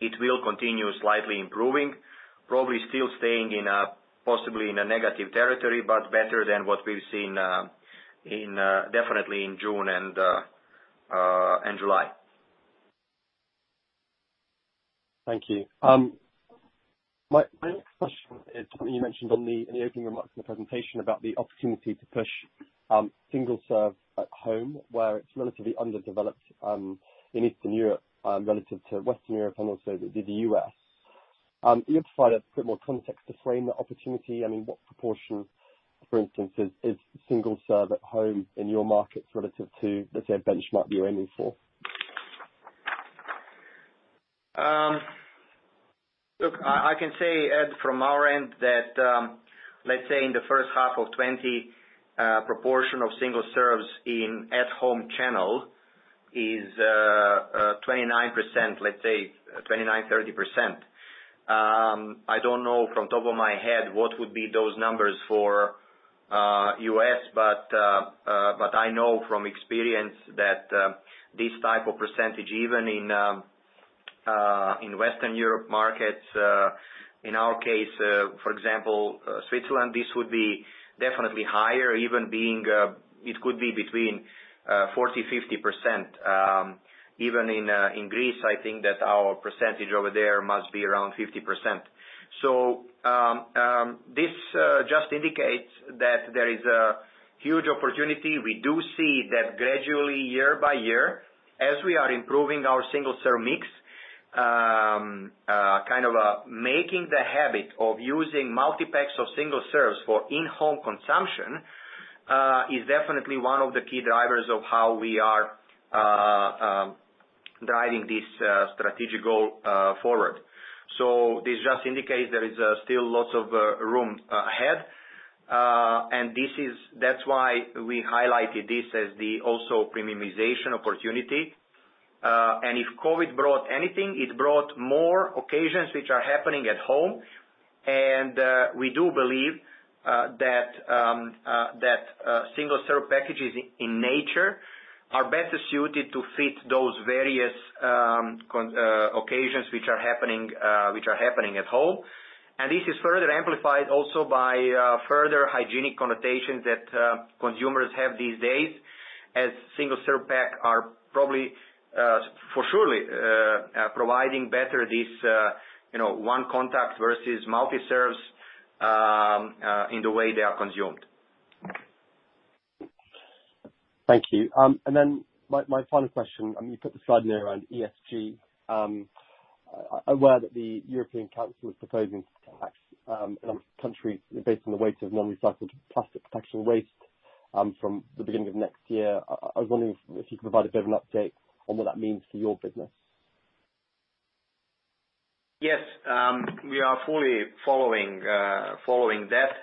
it will continue slightly improving, probably still staying possibly in a negative territory, but better than what we've seen definitely in June and July.
Thank you. My next question is something you mentioned in the opening remarks of the presentation about the opportunity to push single-serve at home, where it's relatively underdeveloped in Eastern Europe relative to Western Europe and also the U.S. You provided a bit more context to frame the opportunity. I mean, what proportion, for instance, is single-serve at home in your markets relative to, let's say, a benchmark you're aiming for?
Look, I can say, Ed, from our end that, let's say, in the first half of 2020, the proportion of single-serves in at-home channel is 29%, let's say 29-30%. I don't know from the top of my head what would be those numbers for the U.S., but I know from experience that this type of percentage, even in Western Europe markets, in our case, for example, Switzerland, this would be definitely higher, even being it could be between 40-50%. Even in Greece, I think that our percentage over there must be around 50%. So this just indicates that there is a huge opportunity. We do see that gradually, year by year, as we are improving our single-serve mix, kind of making the habit of using multi-packs of single-serves for in-home consumption is definitely one of the key drivers of how we are driving this strategic goal forward. So this just indicates there is still lots of room ahead. And that's why we highlighted this as the also premiumization opportunity. And if COVID brought anything, it brought more occasions which are happening at home. And we do believe that single-serve packages in nature are better suited to fit those various occasions which are happening at home. And this is further amplified also by further hygienic connotations that consumers have these days as single-serve packs are probably for sure providing better this one contact versus multi-serves in the way they are consumed.
Thank you. And then my final question. You put the slide in there around ESG. I'm aware that the European Council is proposing to tax a number of countries based on the weight of non-recycled plastic packaging waste from the beginning of next year. I was wondering if you could provide a bit of an update on what that means for your business.
Yes. We are fully following that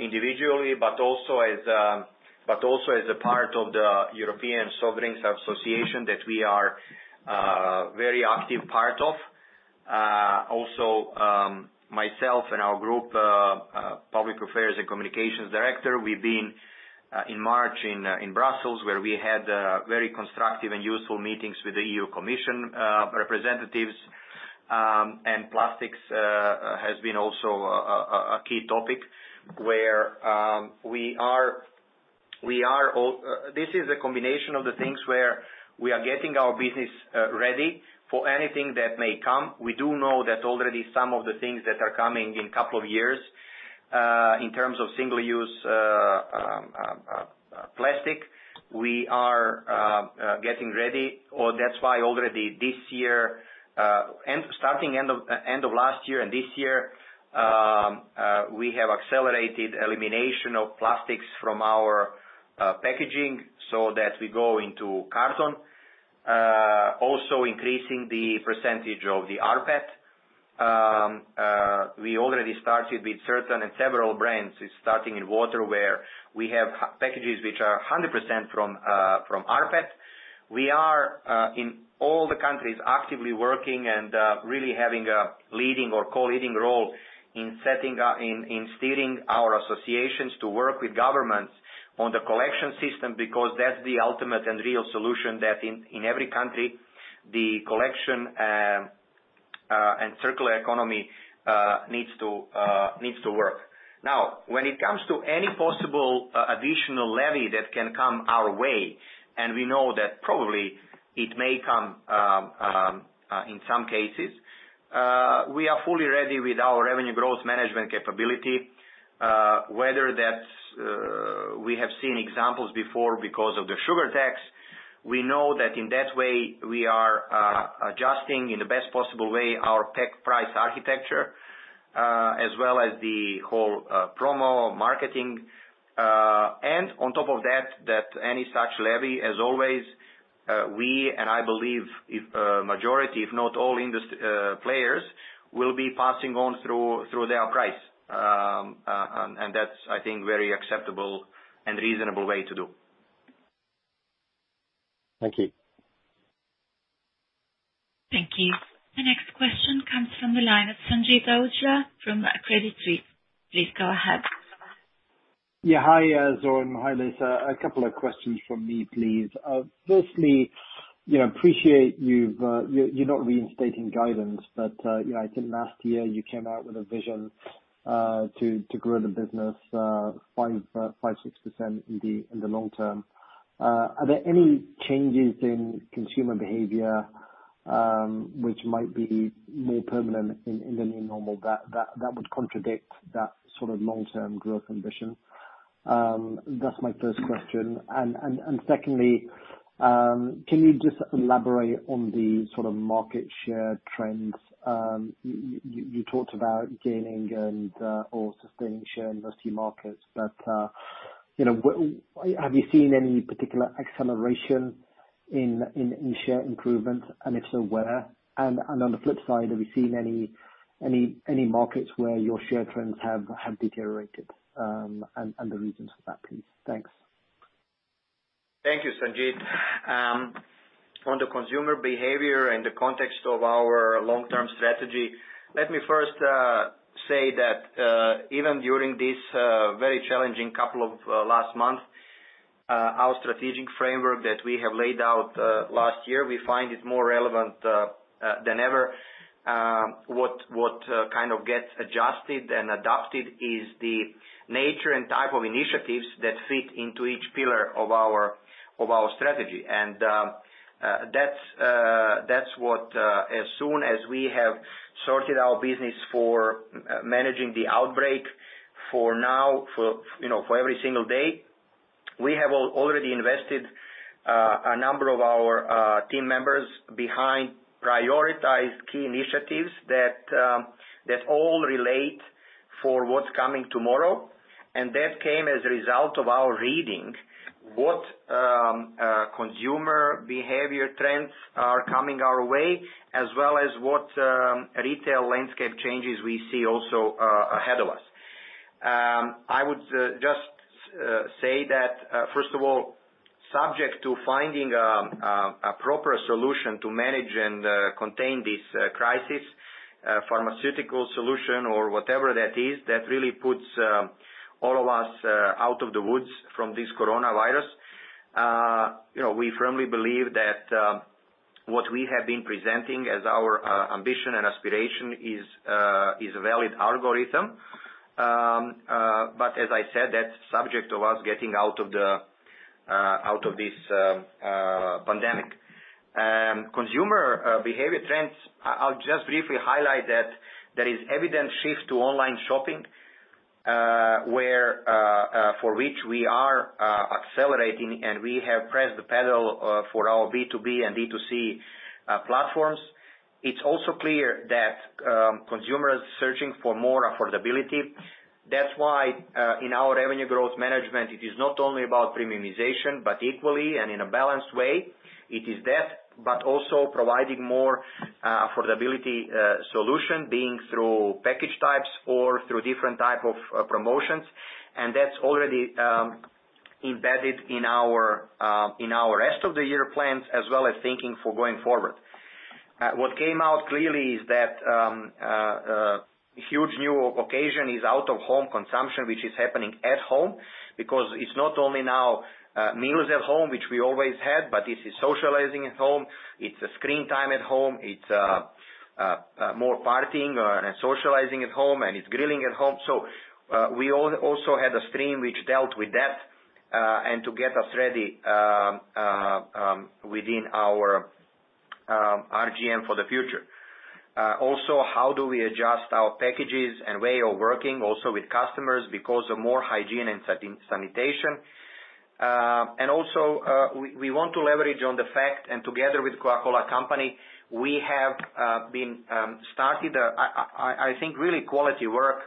individually, but also as a part of the European Soft Drinks Association that we are a very active part of. Also, myself and our Group Public Affairs and Communications Director, we've been in March in Brussels, where we had very constructive and useful meetings with the EU Commission representatives. Plastics has also been a key topic where we are. This is a combination of the things where we are getting our business ready for anything that may come. We do know that already some of the things that are coming in a couple of years in terms of single-use plastic. We are getting ready. That's why already this year, starting end of last year and this year, we have accelerated elimination of plastics from our packaging so that we go into carton. Also increasing the percentage of the rPET. We already started with certain and several brands, starting in water, where we have packages which are 100% from rPET. We are, in all the countries, actively working and really having a leading or co-leading role in steering our associations to work with governments on the collection system because that's the ultimate and real solution that in every country, the collection and circular economy needs to work. Now, when it comes to any possible additional levy that can come our way, and we know that probably it may come in some cases, we are fully ready with our revenue growth management capability, whether that's we have seen examples before because of the sugar tax. We know that in that way, we are adjusting in the best possible way our pack price architecture as well as the whole promo marketing. And on top of that, that any such levy, as always, we and I believe majority, if not all, players will be passing on through their price. And that's, I think, a very acceptable and reasonable way to do.
Thank you.
Thank you. The next question comes from the line of Sanjeet Aujla from Credit Suisse. Please go ahead.
Yeah. Hi, Zoran. Hi, Michalis. A couple of questions from me, please. Firstly, I appreciate you're not reinstating guidance, but I think last year you came out with a vision to grow the business 5%-6% in the long term. Are there any changes in consumer behavior which might be more permanent in the new normal that would contradict that sort of long-term growth ambition? That's my first question. And secondly, can you just elaborate on the sort of market share trends? You talked about gaining and/or sustaining share in most key markets, but have you seen any particular acceleration in share improvement, and if so, where? And on the flip side, have you seen any markets where your share trends have deteriorated? And the reasons for that, please. Thanks.
Thank you, Sanjeet. On the consumer behavior in the context of our long-term strategy, let me first say that even during this very challenging couple of last months, our strategic framework that we have laid out last year, we find it more relevant than ever. What kind of gets adjusted and adopted is the nature and type of initiatives that fit into each pillar of our strategy, and that's what, as soon as we have sorted our business for managing the outbreak for now, for every single day, we have already invested a number of our team members behind prioritized key initiatives that all relate for what's coming tomorrow, and that came as a result of our reading what consumer behavior trends are coming our way, as well as what retail landscape changes we see also ahead of us. I would just say that, first of all, subject to finding a proper solution to manage and contain this crisis, pharmaceutical solution or whatever that is, that really puts all of us out of the woods from this coronavirus. We firmly believe that what we have been presenting as our ambition and aspiration is a valid algorithm. But as I said, that's subject to us getting out of this pandemic. Consumer behavior trends, I'll just briefly highlight that there is an evident shift to online shopping for which we are accelerating, and we have pressed the pedal for our B2B and D2C platforms. It's also clear that consumers are searching for more affordability. That's why in our revenue growth management, it is not only about premiumization, but equally and in a balanced way. It is that, but also providing more affordability solutions being through package types or through different types of promotions. And that's already embedded in our rest of the year plans as well as thinking for going forward. What came out clearly is that a huge new occasion is out-of-home consumption, which is happening at home because it's not only now meals at home, which we always had, but it's socializing at home. It's screen time at home. It's more partying and socializing at home, and it's grilling at home. So we also had a stream which dealt with that and to get us ready within our RGM for the future. Also, how do we adjust our packages and way of working also with customers because of more hygiene and sanitation? We also want to leverage the fact that together with the Coca-Cola Company, we have been starting, I think, really quality work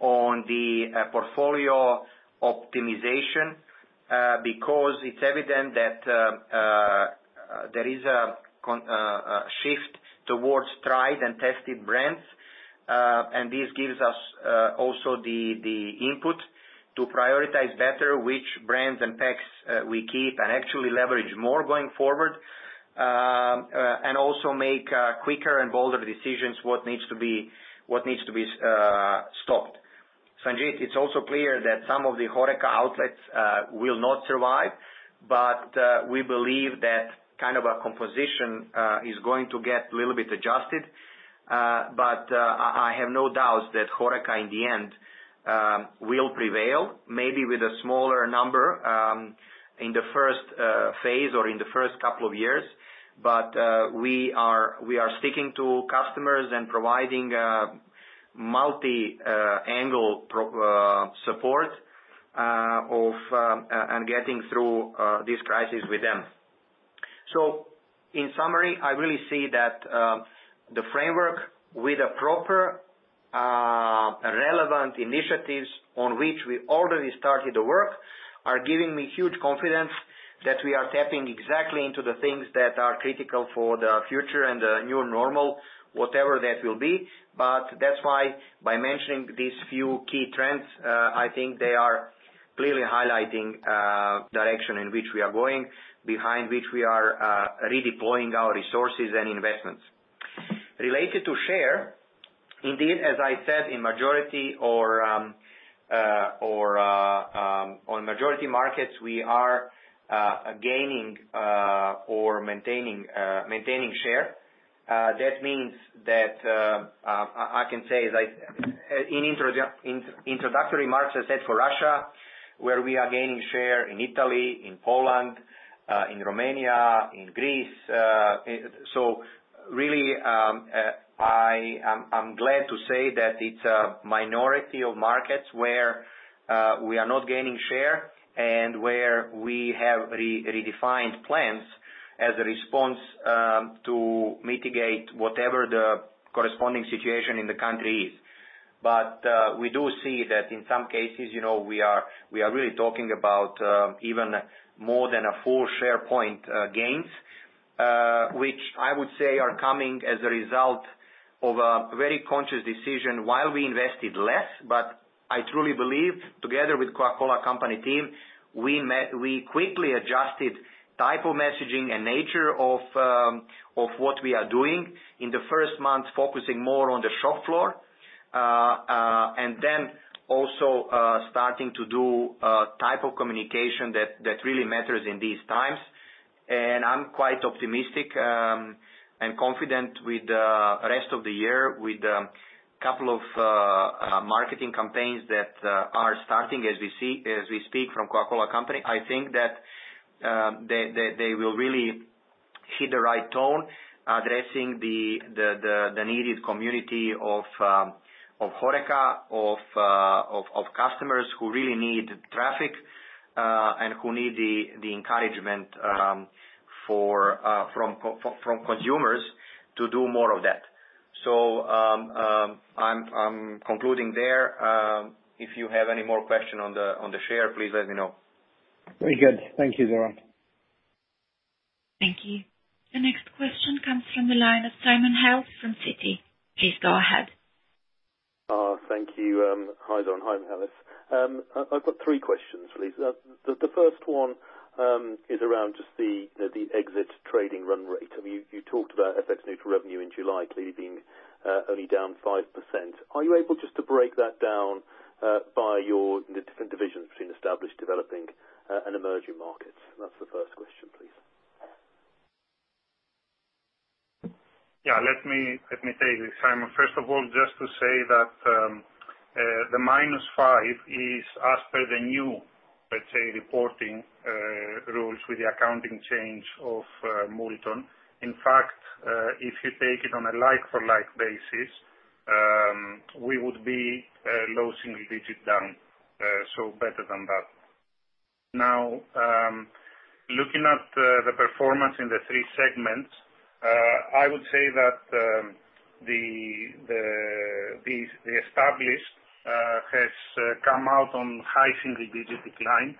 on the portfolio optimization because it is evident that there is a shift towards tried and tested brands. This gives us also the input to prioritize better which brands and packs we keep and actually leverage more going forward and also make quicker and bolder decisions on what needs to be stopped. Sanjeet, it is also clear that some of the HORECA outlets will not survive, but we believe that kind of a composition is going to get a little bit adjusted. I have no doubts that HORECA in the end will prevail, maybe with a smaller number in the first phase or in the first couple of years. We are sticking to customers and providing multi-angle support and getting through this crisis with them. So in summary, I really see that the framework with the proper relevant initiatives on which we already started to work are giving me huge confidence that we are tapping exactly into the things that are critical for the future and the new normal, whatever that will be. But that's why by mentioning these few key trends, I think they are clearly highlighting the direction in which we are going, behind which we are redeploying our resources and investments. Related to share, indeed, as I said, in the majority of our markets, we are gaining or maintaining share. That means that, as I said in my introductory remarks, for Russia, where we are gaining share, in Italy, in Poland, in Romania, in Greece. Really, I'm glad to say that it's a minority of markets where we are not gaining share and where we have redefined plans as a response to mitigate whatever the corresponding situation in the country is. We do see that in some cases, we are really talking about even more than a full share point gains, which I would say are coming as a result of a very conscious decision while we invested less. I truly believe together with the Coca-Cola Company team, we quickly adjusted the type of messaging and nature of what we are doing in the first month, focusing more on the shop floor and then also starting to do type of communication that really matters in these times. And I'm quite optimistic and confident with the rest of the year with a couple of marketing campaigns that are starting as we speak from Coca-Cola Company. I think that they will really hit the right tone addressing the needed community of HORECA, of customers who really need traffic and who need the encouragement from consumers to do more of that. So I'm concluding there. If you have any more questions on the share, please let me know.
Very good. Thank you, Zoran.
Thank you. The next question comes from the line of Simon Hales from Citi. Please go ahead.
Thank you. Hi, Zoran. Hi, Mr. Hales. I've got three questions, please. The first one is around just the exit trading run rate. I mean, you talked about FX neutral revenue in July clearly being only down 5%. Are you able just to break that down by your different divisions between established, developing, and emerging markets? That's the first question, please.
Yeah. Let me take this, Simon. First of all, just to say that the -5% is as per the new, let's say, reporting rules with the accounting change of Multon. In fact, if you take it on a like-for-like basis, we would be low single digit down, so better than that. Now, looking at the performance in the three segments, I would say that the established has come out on high single digit decline.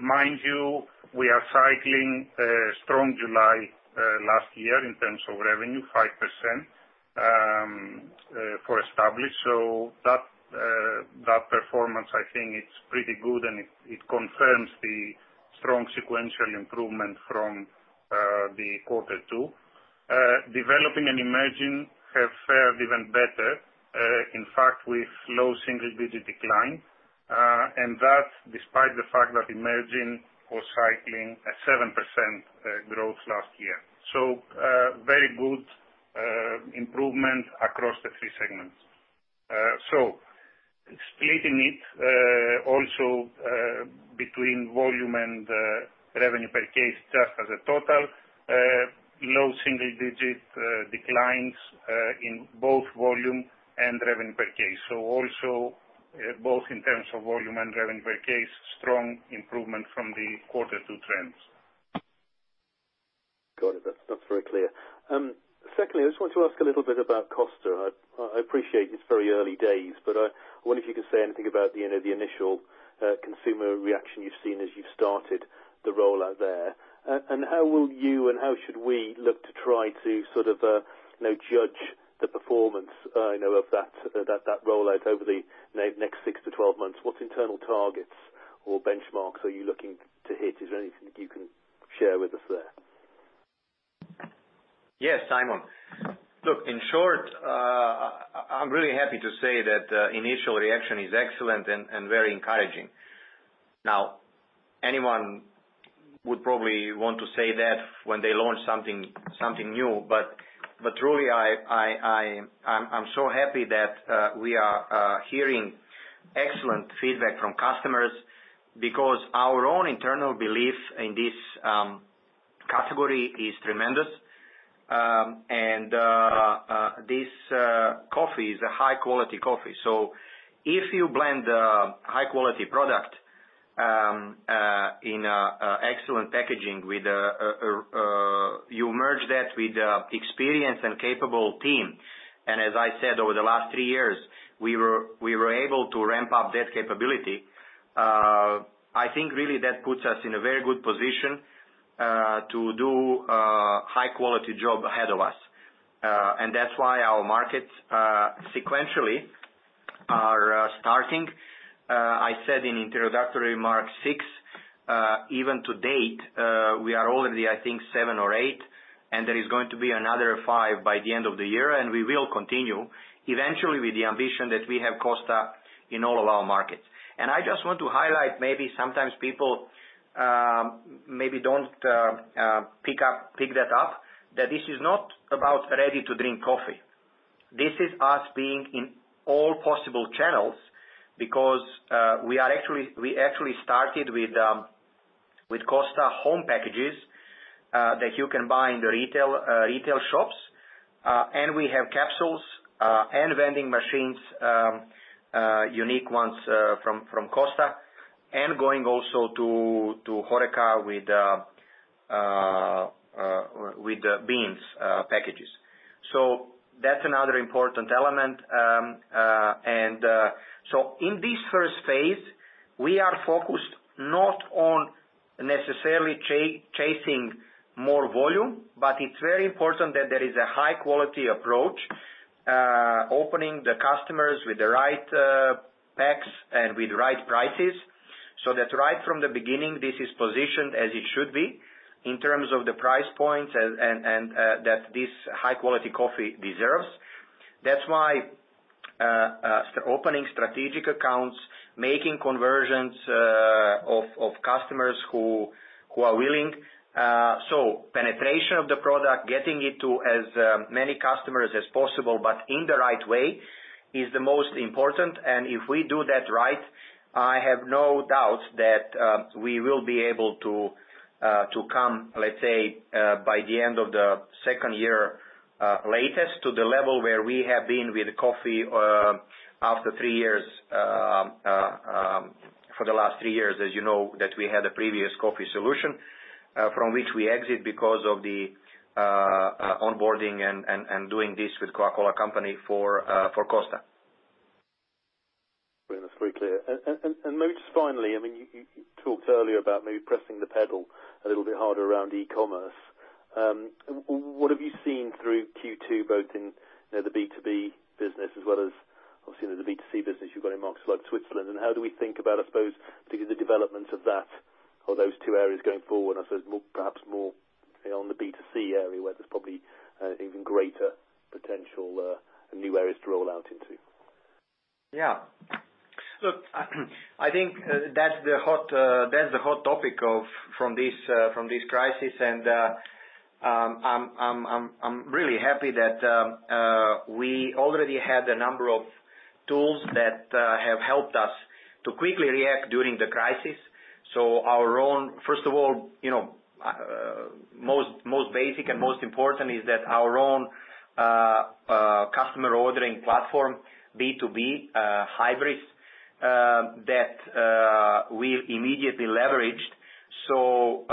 Mind you, we are cycling a strong July last year in terms of revenue, 5% for established. So that performance, I think, it's pretty good, and it confirms the strong sequential improvement from the quarter two. Developing and emerging have fared even better, in fact, with low single digit decline. That's despite the fact that emerging was cycling a 7% growth last year. So very good improvement across the three segments. So, splitting it also between volume and revenue per case, just as a total, low single-digit declines in both volume and revenue per case. So, also both in terms of volume and revenue per case, strong improvement from the quarter two trends.
Got it. That's very clear. Secondly, I just want to ask a little bit about Costa. I appreciate it's very early days, but I wonder if you could say anything about the initial consumer reaction you've seen as you've started the rollout there. And how will you and how should we look to try to sort of judge the performance of that rollout over the next six to 12 months? What internal targets or benchmarks are you looking to hit? Is there anything that you can share with us there?
Yes, Simon. Look, in short, I'm really happy to say that the initial reaction is excellent and very encouraging. Now, anyone would probably want to say that when they launch something new, but truly, I'm so happy that we are hearing excellent feedback from customers because our own internal belief in this category is tremendous, and this coffee is a high-quality coffee. So if you blend a high-quality product in excellent packaging with a you merge that with an experienced and capable team, and as I said, over the last three years, we were able to ramp up that capability. I think really that puts us in a very good position to do a high-quality job ahead of us, and that's why our markets sequentially are starting. I said in introductory remarks, up to date, we are already, I think, seven or eight, and there is going to be another five by the end of the year. And we will continue eventually with the ambition that we have Costa in all of our markets. And I just want to highlight maybe sometimes people maybe don't pick that up, that this is not about ready to drink coffee. This is us being in all possible channels because we actually started with Costa home packages that you can buy in the retail shops. And we have capsules and vending machines, unique ones from Costa, and going also to HORECA with beans packages. So that's another important element. And so, in this first phase, we are focused not on necessarily chasing more volume, but it's very important that there is a high-quality approach, opening the customers with the right packs and with the right prices so that right from the beginning, this is positioned as it should be in terms of the price points and that this high-quality coffee deserves. That's why opening strategic accounts, making conversions of customers who are willing. So penetration of the product, getting it to as many customers as possible, but in the right way is the most important. And if we do that right, I have no doubts that we will be able to come, let's say, by the end of the second year latest to the level where we have been with coffee after three years for the last three years, as you know, that we had a previous coffee solution from which we exit because of the onboarding and doing this with Coca-Cola Company for Costa.
That's very clear. And maybe just finally, I mean, you talked earlier about maybe pressing the pedal a little bit harder around e-commerce. What have you seen through Q2, both in the B2B business as well as, obviously, the B2C business you've got in markets like Switzerland? And how do we think about, I suppose, the development of those two areas going forward? I suppose perhaps more on the B2C area where there's probably even greater potential and new areas to roll out into.
Yeah. Look, I think that's the hot topic from this crisis, and I'm really happy that we already had a number of tools that have helped us to quickly react during the crisis, so our own, first of all, most basic and most important is that our own customer ordering platform, B2B portals that we immediately leveraged, so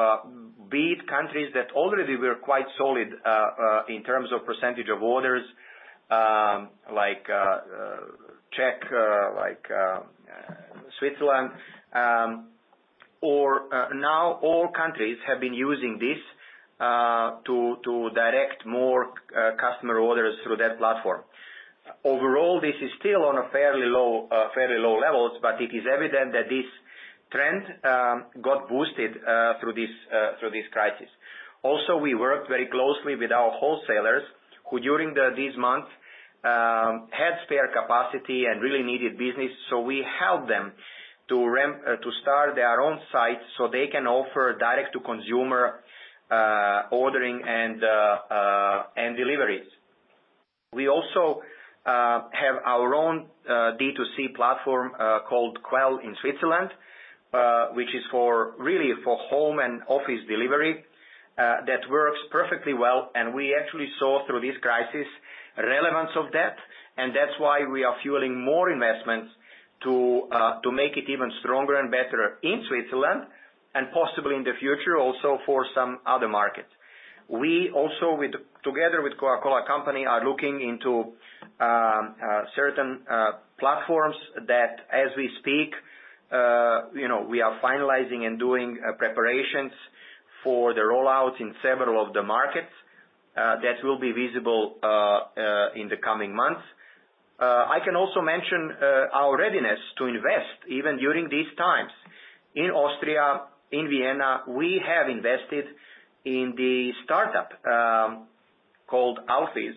be it countries that already were quite solid in terms of percentage of orders like Czech, like Switzerland, or now all countries have been using this to direct more customer orders through that platform. Overall, this is still on a fairly low level, but it is evident that this trend got boosted through this crisis. Also, we worked very closely with our wholesalers who during this month had spare capacity and really needed business, so we helped them to start their own site so they can offer direct-to-consumer ordering and deliveries. We also have our own D2C platform called Qwell in Switzerland, which is really for home and office delivery that works perfectly well. We actually saw through this crisis the relevance of that. That's why we are fueling more investments to make it even stronger and better in Switzerland and possibly in the future also for some other markets. We also, together with Coca-Cola Company, are looking into certain platforms that, as we speak, we are finalizing and doing preparations for the rollout in several of the markets that will be visible in the coming months. I can also mention our readiness to invest even during these times. In Austria, in Vienna, we have invested in the startup called Alfies,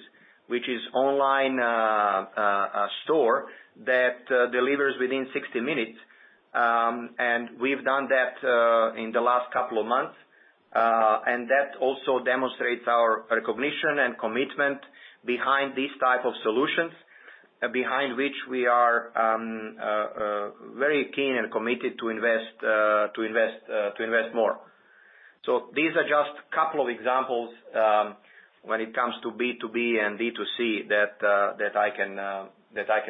which is an online store that delivers within 60 minutes. We've done that in the last couple of months. And that also demonstrates our recognition and commitment behind these types of solutions, behind which we are very keen and committed to invest more. So these are just a couple of examples when it comes to B2B and D2C that I can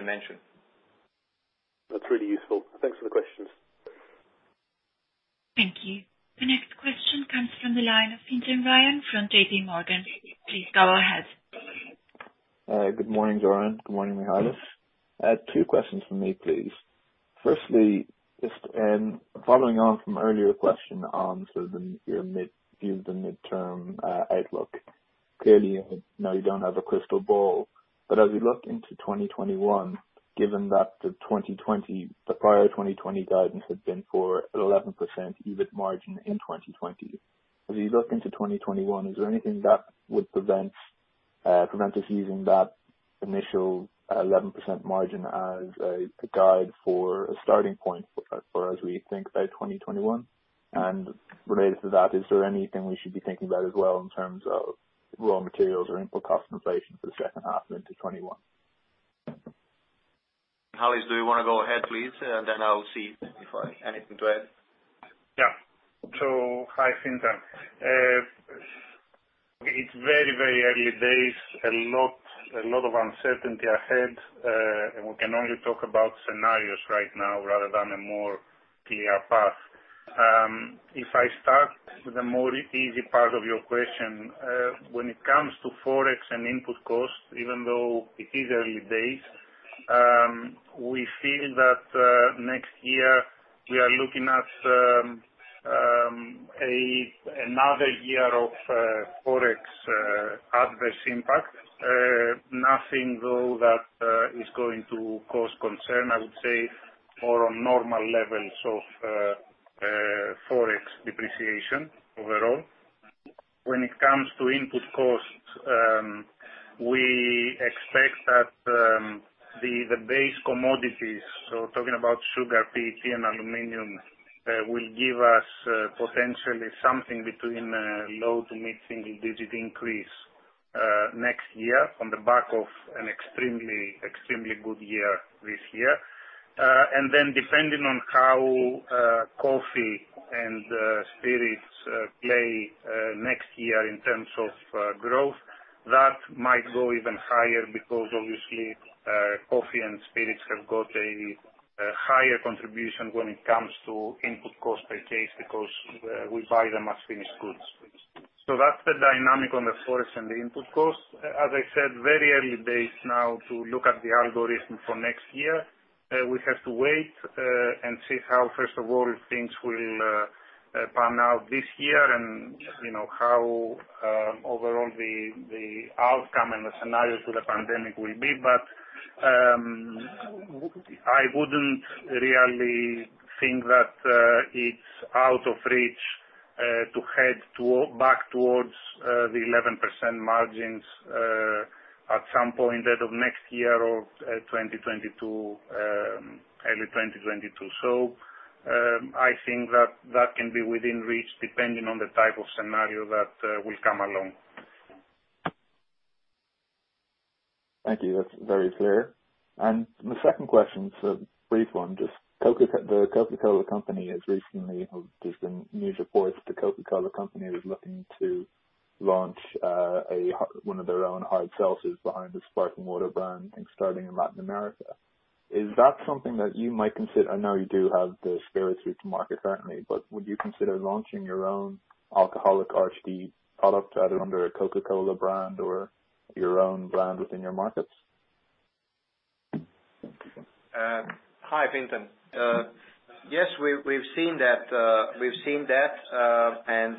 mention.
That's really useful. Thanks for the questions.
Thank you. The next question comes from the line of Fintan Ryan from JP Morgan Chase & Co.. Please go ahead.
Good morning, Zoran. Good morning, Ms. Hales. Two questions for me, please. Firstly, following on from earlier question on sort of your mid-term outlook, clearly, now you don't have a crystal ball. But as we look into 2021, given that the prior 2020 guidance had been for an 11% EBIT margin in 2020, as we look into 2021, is there anything that would prevent us using that initial 11% margin as a guide for a starting point for as we think about 2021? And related to that, is there anything we should be thinking about as well in terms of raw materials or input cost inflation for the second half of 2021?
Hales, do you want to go ahead, please? And then I'll see if I have anything to add.
Yeah. So, hi, Fintan. It's very, very early days. A lot of uncertainty ahead, and we can only talk about scenarios right now rather than a more clear path. If I start with a more easy part of your question, when it comes to forex and input cost, even though it is early days, we feel that next year we are looking at another year of forex at this impact. Nothing, though, that is going to cause concern, I would say, or on normal levels of forex depreciation overall. When it comes to input costs, we expect that the base commodities, so talking about sugar, PET, and aluminum, will give us potentially something between low- to mid-single-digit increase next year on the back of an extremely good year this year. Then depending on how coffee and spirits play next year in terms of growth, that might go even higher because, obviously, coffee and spirits have got a higher contribution when it comes to input cost per case because we buy them as finished goods. So that's the dynamic on the forex and the input cost. As I said, very early days now to look at the algorithm for next year. We have to wait and see how, first of all, things will pan out this year and how overall the outcome and the scenario to the pandemic will be. But I wouldn't really think that it's out of reach to head back towards the 11% margins at some point at the end of next year or early 2022. So I think that that can be within reach depending on the type of scenario that will come along.
Thank you. That's very clear. And the second question is a brief one. There have recently just been news reports that the Coca-Cola Company is looking to launch one of their own hard seltzers behind the sparkling water brand and starting in Latin America. Is that something that you might consider? I know you do have the spirits ready-to-drink market currently, but would you consider launching your own alcoholic RTD product either under a Coca-Cola brand or your own brand within your markets?
Hi, Fintan. Yes, we've seen that. We've seen that. And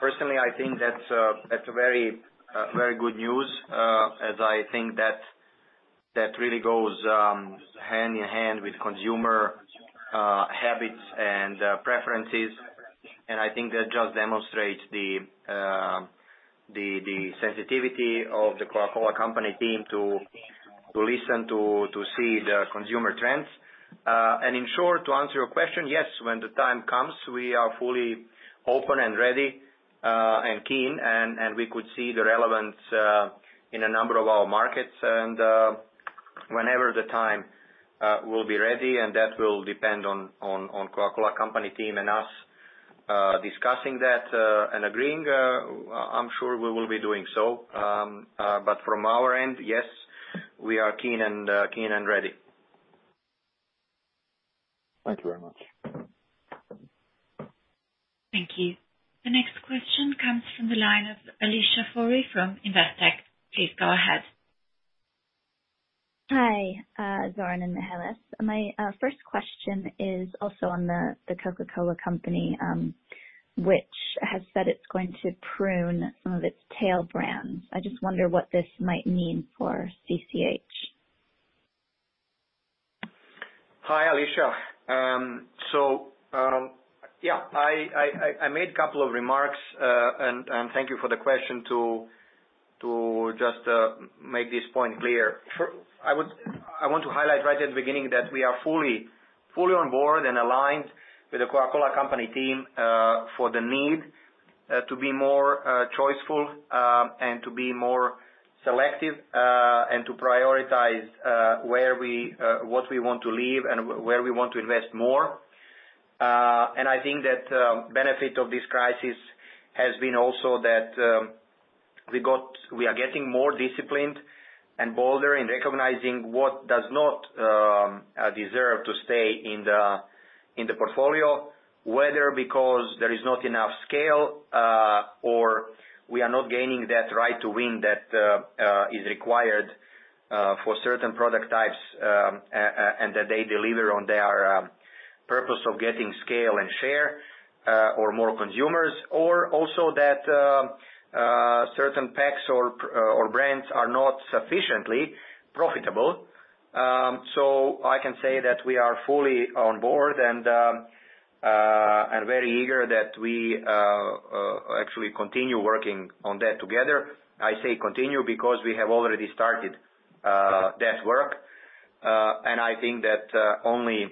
personally, I think that's very good news as I think that really goes hand in hand with consumer habits and preferences. And I think that just demonstrates the sensitivity of the Coca-Cola Company team to listen, to see the consumer trends. And in short, to answer your question, yes, when the time comes, we are fully open and ready and keen, and we could see the relevance in a number of our markets. And whenever the time will be ready, and that will depend on the Coca-Cola Company team and us discussing that and agreeing, I'm sure we will be doing so. But from our end, yes, we are keen and ready.
Thank you very much.
Thank you. The next question comes from the line of Alicia Forry from Investec. Please go ahead.
Hi, Zoran and Ms. Hales. My first question is also on the Coca-Cola Company, which has said it's going to prune some of its tail brands. I just wonder what this might mean for CCH.
Hi, Alicia. So yeah, I made a couple of remarks, and thank you for the question to just make this point clear. I want to highlight right at the beginning that we are fully on board and aligned with the Coca-Cola Company team for the need to be more choiceful and to be more selective and to prioritize what we want to leave and where we want to invest more. And I think that the benefit of this crisis has been also that we are getting more disciplined and bolder in recognizing what does not deserve to stay in the portfolio, whether because there is not enough scale or we are not gaining that right to win that is required for certain product types and that they deliver on their purpose of getting scale and share or more consumers, or also that certain packs or brands are not sufficiently profitable. So I can say that we are fully on board and very eager that we actually continue working on that together. I say continue because we have already started that work. And I think that only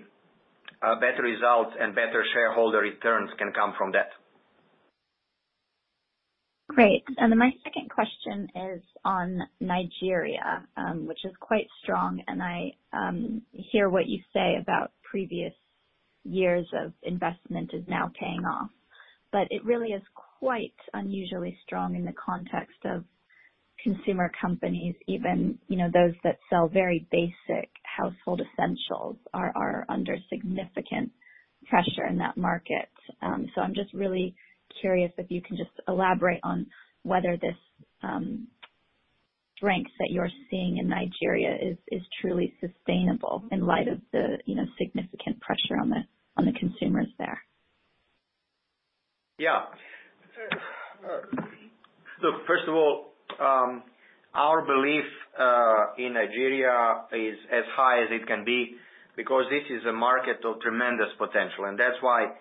better results and better shareholder returns can come from that.
Great. And then my second question is on Nigeria, which is quite strong. And I hear what you say about previous years of investment is now paying off. But it really is quite unusually strong in the context of consumer companies, even those that sell very basic household essentials are under significant pressure in that market. So I'm just really curious if you can just elaborate on whether this strength that you're seeing in Nigeria is truly sustainable in light of the significant pressure on the consumers there?
Yeah. So first of all, our belief in Nigeria is as high as it can be because this is a market of tremendous potential. And that's why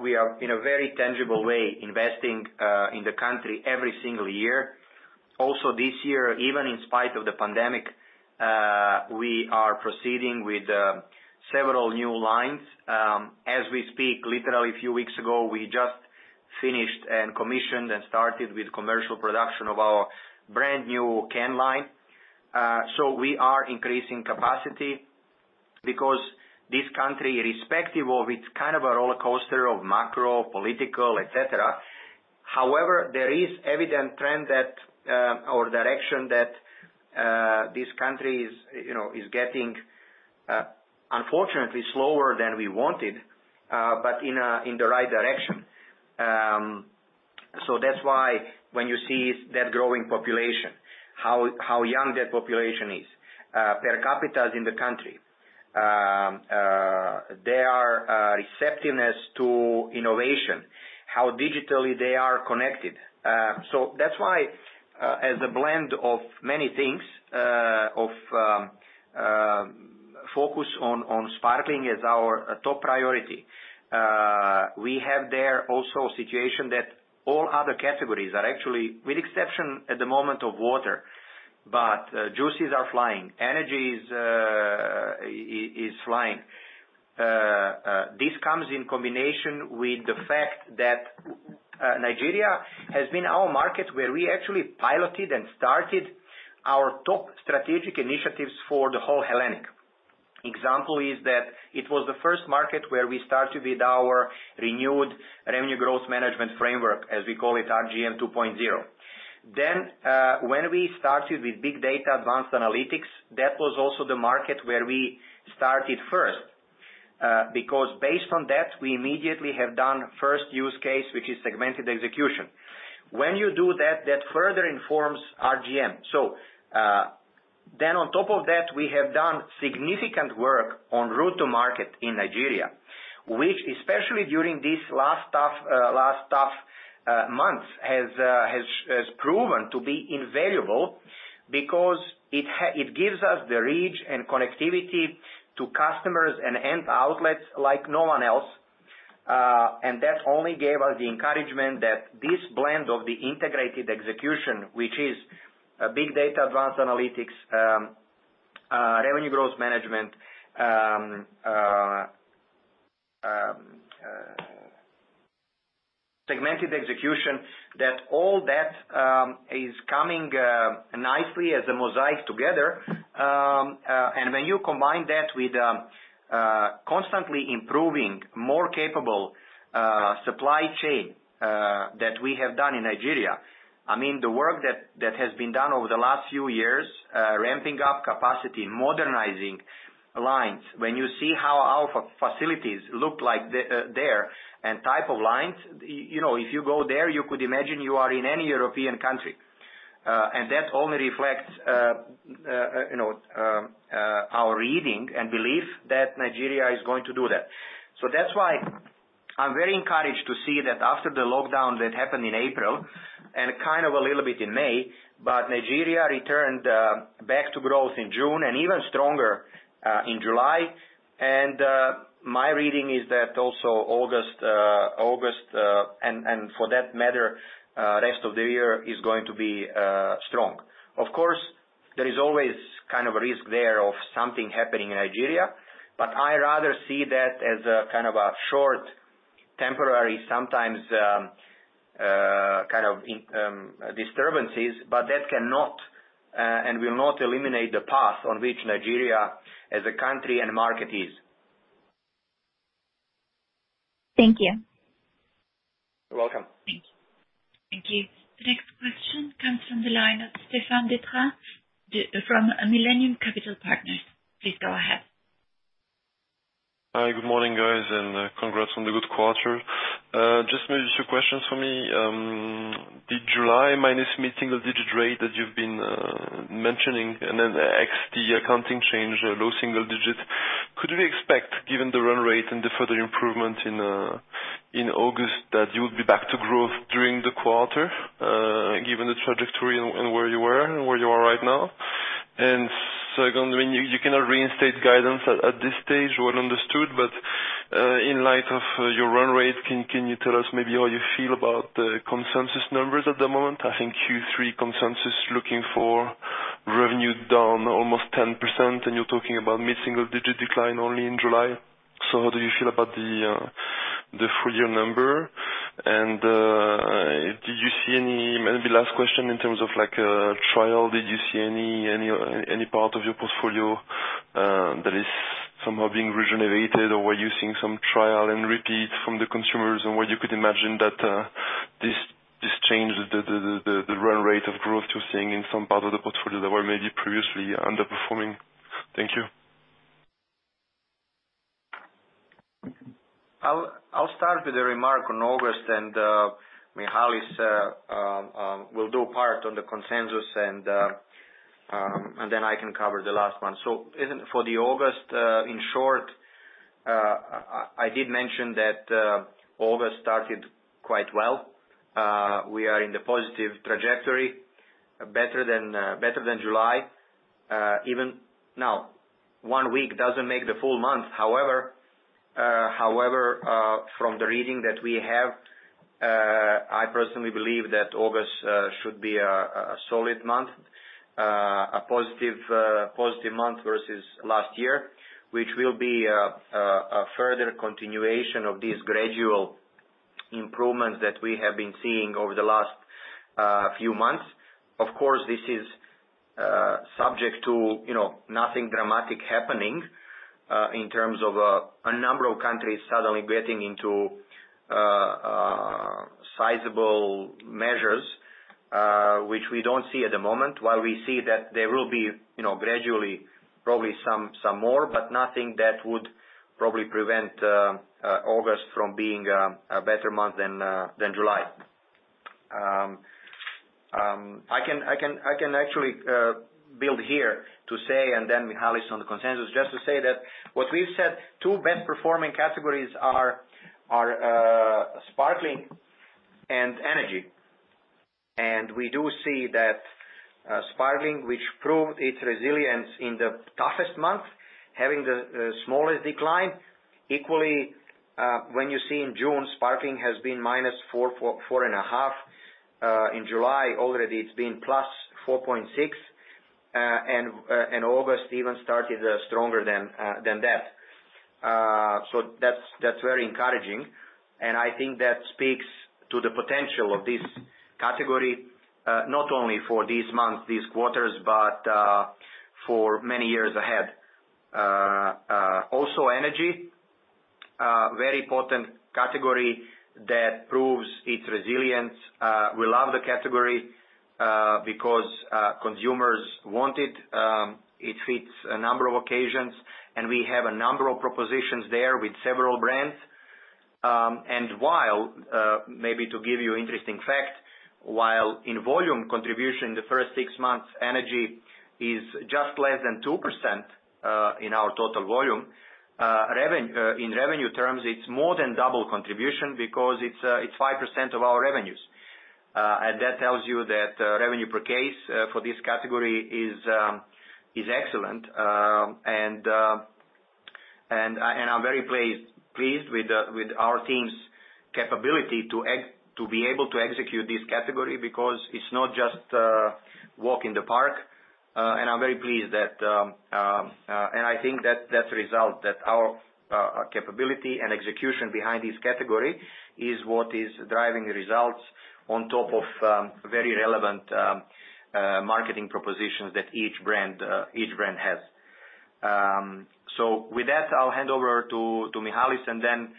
we are, in a very tangible way, investing in the country every single year. Also, this year, even in spite of the pandemic, we are proceeding with several new lines. As we speak, literally a few weeks ago, we just finished and commissioned and started with commercial production of our brand new can line. So we are increasing capacity because this country, irrespective of its kind of a roller coaster of macro, political, etc., however, there is an evident trend or direction that this country is getting, unfortunately, slower than we wanted, but in the right direction. So that's why when you see that growing population, how young that population is, per capita in the country, their receptiveness to innovation, how digitally they are connected. That's why, as a blend of many things, of focus on sparkling as our top priority, we have there also a situation that all other categories are actually, with exception at the moment of water, but juices are flying. Energy is flying. This comes in combination with the fact that Nigeria has been our market where we actually piloted and started our top strategic initiatives for the whole Hellenic. Example is that it was the first market where we started with our renewed revenue growth management framework, as we call it, RGM 2.0. Then when we started with big data advanced analytics, that was also the market where we started first because based on that, we immediately have done first use case, which is segmented execution. When you do that, that further informs RGM, so then on top of that, we have done significant work on route to market in Nigeria, which especially during these last tough months has proven to be invaluable because it gives us the reach and connectivity to customers and end outlets like no one else, and that only gave us the encouragement that this blend of the integrated execution, which is big data advanced analytics, revenue growth management, segmented execution, that all that is coming nicely as a mosaic together. And when you combine that with constantly improving, more capable supply chain that we have done in Nigeria, I mean, the work that has been done over the last few years, ramping up capacity, modernizing lines, when you see how our facilities look like there and type of lines, if you go there, you could imagine you are in any European country. And that only reflects our reading and belief that Nigeria is going to do that. So that's why I'm very encouraged to see that after the lockdown that happened in April and kind of a little bit in May, but Nigeria returned back to growth in June and even stronger in July. And my reading is that also August and for that matter, rest of the year is going to be strong. Of course, there is always kind of a risk there of something happening in Nigeria, but I rather see that as a kind of a short temporary, sometimes kind of disturbances, but that cannot and will not eliminate the path on which Nigeria as a country and market is.
Thank you.
You're welcome.
Thank you. The next question comes from the line of Stéphane Détraz from Millennium Capital Partners. Please go ahead.
Hi, good morning, guys, and congrats on the good quarter. Just maybe two questions for me. In July minus mid-single digit rate that you've been mentioning and then FX accounting change, low single digit, could we expect, given the run rate and the further improvement in August, that you would be back to growth during the quarter given the trajectory and where you are and where you are right now? And second, I mean, you cannot reinstate guidance at this stage, well understood, but in light of your run rate, can you tell us maybe how you feel about the consensus numbers at the moment? I think Q3 consensus looking for revenue down almost 10%, and you're talking about mid-single digit decline only in July. So how do you feel about the full year number? Did you see any, maybe last question in terms of trial? Did you see any part of your portfolio that is somehow being regenerated or were you seeing some trial and repeat from the consumers, and where you could imagine that this change, the run rate of growth you're seeing in some part of the portfolio that were maybe previously underperforming? Thank you.
I'll start with a remark on August, and Ms. Hales will do part on the consensus, and then I can cover the last one, so for the August, in short, I did mention that August started quite well. We are in the positive trajectory, better than July. Even now, one week doesn't make the full month. However, from the reading that we have, I personally believe that August should be a solid month, a positive month versus last year, which will be a further continuation of these gradual improvements that we have been seeing over the last few months. Of course, this is subject to nothing dramatic happening in terms of a number of countries suddenly getting into sizable measures, which we don't see at the moment, while we see that there will be gradually probably some more, but nothing that would probably prevent August from being a better month than July. I can actually build here to say, and then Mr. Hales on the consensus, just to say that what we've said, two best-performing categories are sparkling and energy. We do see that sparkling, which proved its resilience in the toughest month, having the smallest decline. Equally, when you see in June, sparkling has been -4.5%. In July, already it's been +4.6%, and August even started stronger than that. So that's very encouraging. I think that speaks to the potential of this category, not only for these months, these quarters, but for many years ahead. Also, energy, very potent category that proves its resilience. We love the category because consumers want it. It fits a number of occasions, and we have a number of propositions there with several brands. And while maybe to give you an interesting fact, while in volume contribution in the first six months, energy is just less than 2% in our total volume. In revenue terms, it's more than double contribution because it's 5% of our revenues. And that tells you that revenue per case for this category is excellent. And I'm very pleased with our team's capability to be able to execute this category because it's not just walk in the park. And I'm very pleased and I think that that's a result that our capability and execution behind this category is what is driving the results on top of very relevant marketing propositions that each brand has. So with that, I'll hand over to Ms. Hales, and then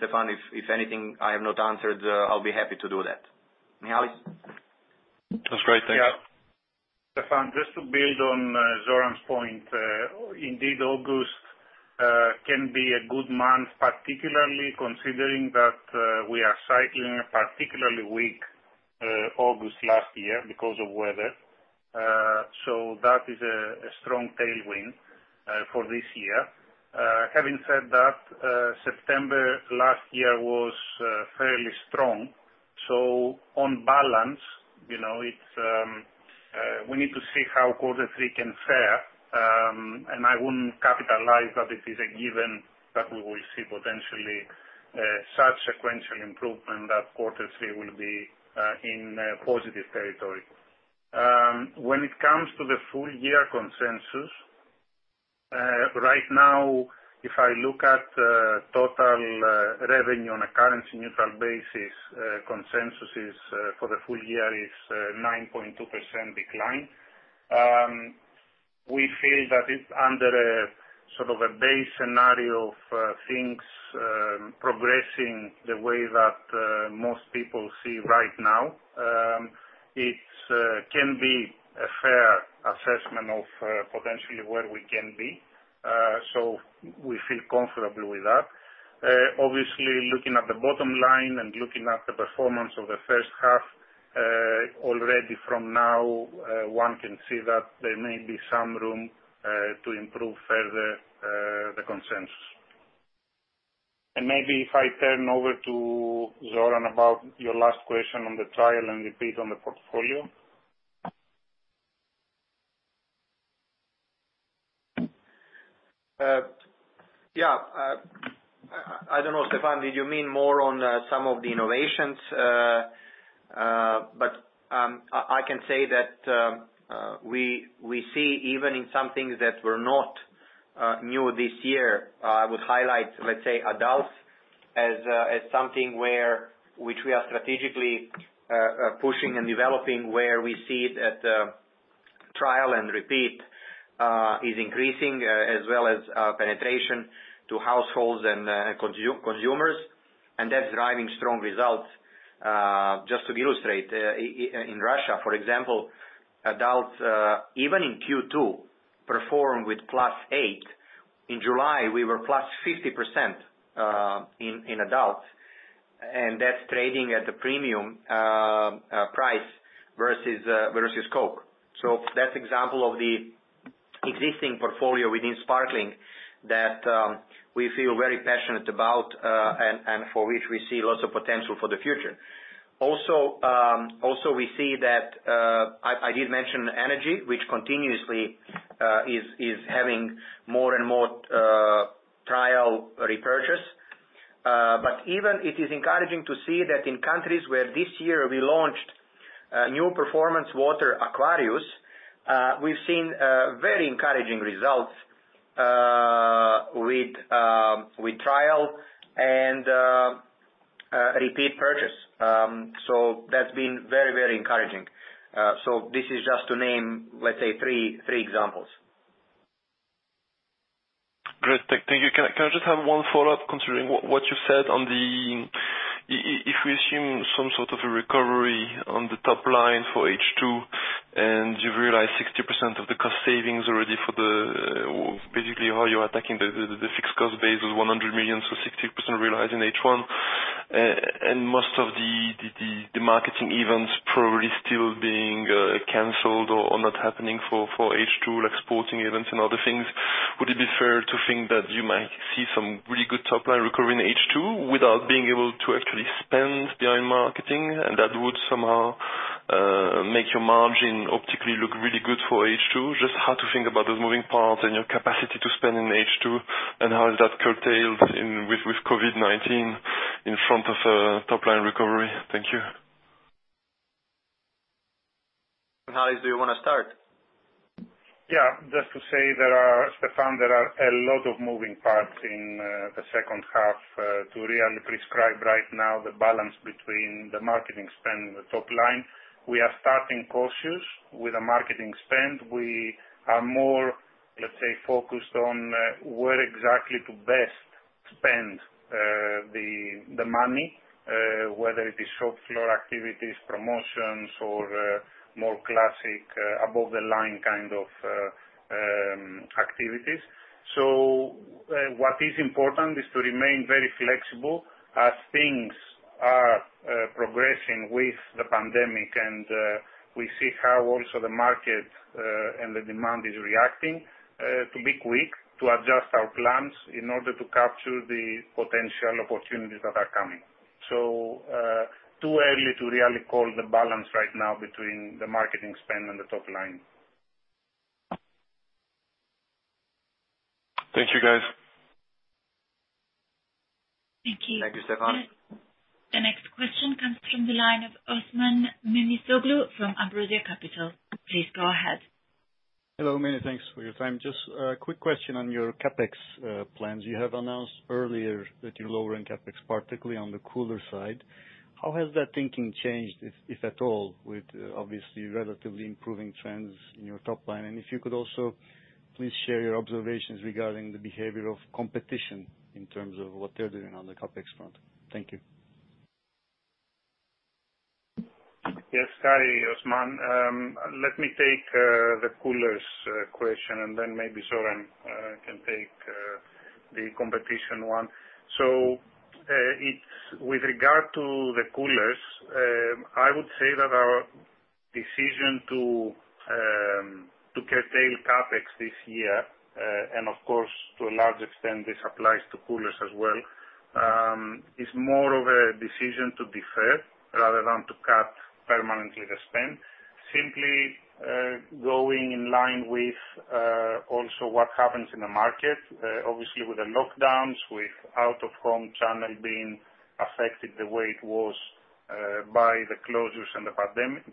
Stéphane, if anything I have not answered, I'll be happy to do that. Ms. Hales. That's great. Thanks.
Yeah. Stéphane, just to build on Zoran's point, indeed, August can be a good month, particularly considering that we are cycling a particularly weak August last year because of weather, so that is a strong tailwind for this year. Having said that, September last year was fairly strong, so on balance, we need to see how quarter three can fare, and I wouldn't capitalize that it is a given that we will see potentially such sequential improvement that quarter three will be in positive territory. When it comes to the full year consensus, right now, if I look at total revenue on a currency-neutral basis, consensus for the full year is 9.2% decline. We feel that under sort of a base scenario of things progressing the way that most people see right now, it can be a fair assessment of potentially where we can be. We feel comfortable with that. Obviously, looking at the bottom line and looking at the performance of the first half, already from now, one can see that there may be some room to improve further the consensus. Maybe if I turn over to Zoran about your last question on the trial and repeat on the portfolio.
Yeah. I don't know, Stéphane, did you mean more on some of the innovations? But I can say that we see even in some things that were not new this year. I would highlight, let's say, Adults as something which we are strategically pushing and developing where we see that trial and repeat is increasing as well as penetration to households and consumers. And that's driving strong results. Just to illustrate, in Russia, for example, Adults even in Q2 performed with plus 8%. In July, we were plus 50% in Adults. And that's trading at a premium price versus Coke. So that's an example of the existing portfolio within sparkling that we feel very passionate about and for which we see lots of potential for the future. Also, we see that I did mention energy, which continuously is having more and more trial repurchase. But even it is encouraging to see that in countries where this year we launched new performance water Aquarius, we've seen very encouraging results with trial and repeat purchase. So that's been very, very encouraging. So this is just to name, let's say, three examples.
Great. Thank you. Can I just have one follow-up considering what you said on the if we assume some sort of a recovery on the top line for H2 and you realize 60% of the cost savings already for the basically how you're attacking the fixed cost base is 100 million, so 60% realized in H1, and most of the marketing events probably still being canceled or not happening for H2, like sporting events and other things, would it be fair to think that you might see some really good top-line recovery in H2 without being able to actually spend behind marketing? And that would somehow make your margin optically look really good for H2. Just how to think about those moving parts and your capacity to spend in H2 and how is that curtailed with COVID-19 in front of top-line recovery? Thank you.
Ms. Hales, do you want to start?
Yeah. Just to say, Stéphane, there are a lot of moving parts in the second half to really predict right now the balance between the marketing spend and the top line. We are starting cautious with the marketing spend. We are more, let's say, focused on where exactly to best spend the money, whether it is shop floor activities, promotions, or more classic above-the-line kind of activities. So what is important is to remain very flexible as things are progressing with the pandemic and we see how also the market and the demand is reacting to be quick to adjust our plans in order to capture the potential opportunities that are coming. So too early to really call the balance right now between the marketing spend and the top line.
Thank you, guys.
Thank you. Thank you, Stéphane.
The next question comes from the line of Osman Memisoglu from Ambrosia Capital. Please go ahead.
Hello, many thanks for your time. Just a quick question on your CapEx plans. You have announced earlier that you're lowering CapEx, particularly on the cooler side. How has that thinking changed, if at all, with obviously relatively improving trends in your top line, and if you could also please share your observations regarding the behavior of competition in terms of what they're doing on the CapEx front. Thank you.
Yes, hi, Osman. Let me take the coolers question and then maybe Zoran can take the competition one. So with regard to the coolers, I would say that our decision to curtail CapEx this year and, of course, to a large extent, this applies to coolers as well, is more of a decision to defer rather than to cut permanently the spend, simply going in line with also what happens in the market. Obviously, with the lockdowns, with out-of-home channel being affected the way it was by the closures and the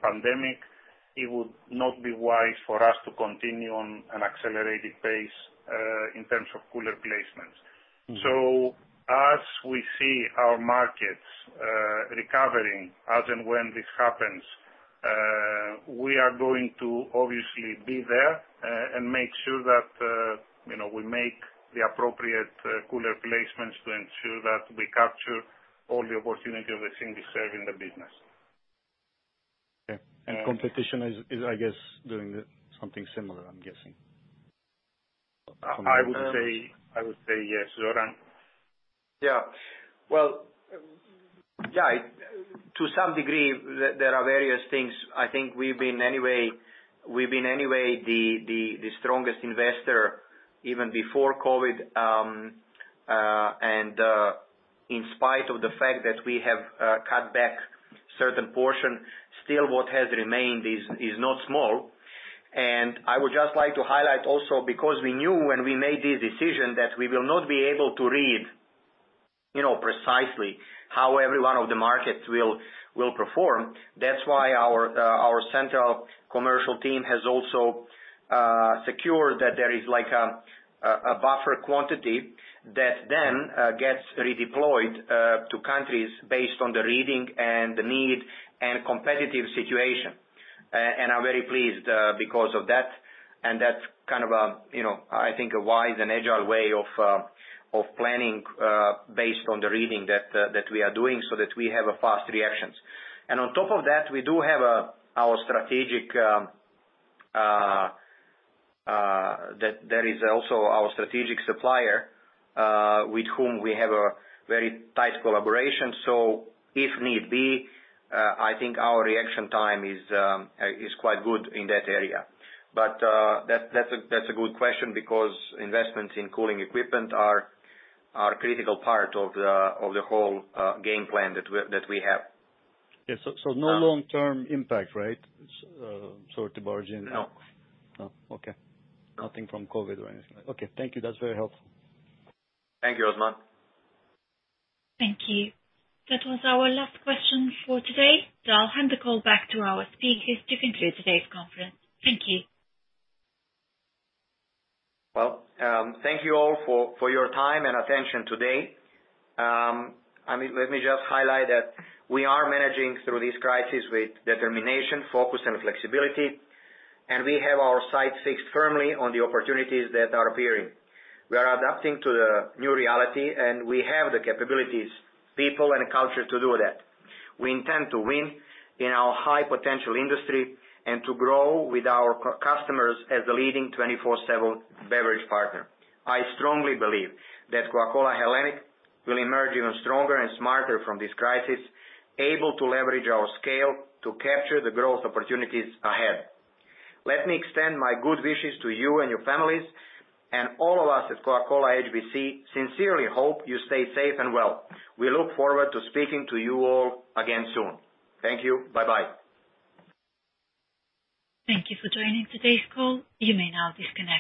pandemic, it would not be wise for us to continue on an accelerated pace in terms of cooler placements. So as we see our markets recovering as and when this happens, we are going to obviously be there and make sure that we make the appropriate cooler placements to ensure that we capture all the opportunities of the single serve in the business.
Okay. And competition is, I guess, doing something similar, I'm guessing.
I would say yes, Zoran.
Yeah, well, yeah, to some degree, there are various things. I think we've been anyway the strongest investor even before COVID, and in spite of the fact that we have cut back a certain portion, still what has remained is not small, and I would just like to highlight also because we knew when we made this decision that we will not be able to read precisely how every one of the markets will perform. That's why our central commercial team has also secured that there is like a buffer quantity that then gets redeployed to countries based on the reading and the need and competitive situation, and I'm very pleased because of that, and that's kind of a, I think, a wise and agile way of planning based on the reading that we are doing so that we have fast reactions. On top of that, we do have our strategic supplier with whom we have a very tight collaboration. So if need be, I think our reaction time is quite good in that area. But that's a good question because investments in cooling equipment are a critical part of the whole game plan that we have.
Yeah. So no long-term impact, right? Sort of margin.
No.
No. Okay. Nothing from COVID or anything like that. Okay. Thank you. That's very helpful.
Thank you, Osman.
Thank you. That was our last question for today. So I'll hand the call back to our speakers to conclude today's conference. Thank you.
Well, thank you all for your time and attention today. Let me just highlight that we are managing through this crisis with determination, focus, and flexibility. And we have our sights fixed firmly on the opportunities that are appearing. We are adapting to the new reality, and we have the capabilities, people, and culture to do that. We intend to win in our high-potential industry and to grow with our customers as the leading 24/7 beverage partner. I strongly believe that Coca-Cola Hellenic will emerge even stronger and smarter from this crisis, able to leverage our scale to capture the growth opportunities ahead. Let me extend my good wishes to you and your families. And all of us at Coca-Cola HBC sincerely hope you stay safe and well. We look forward to speaking to you all again soon. Thank you. Bye-bye.
Thank you for joining today's call. You may now disconnect.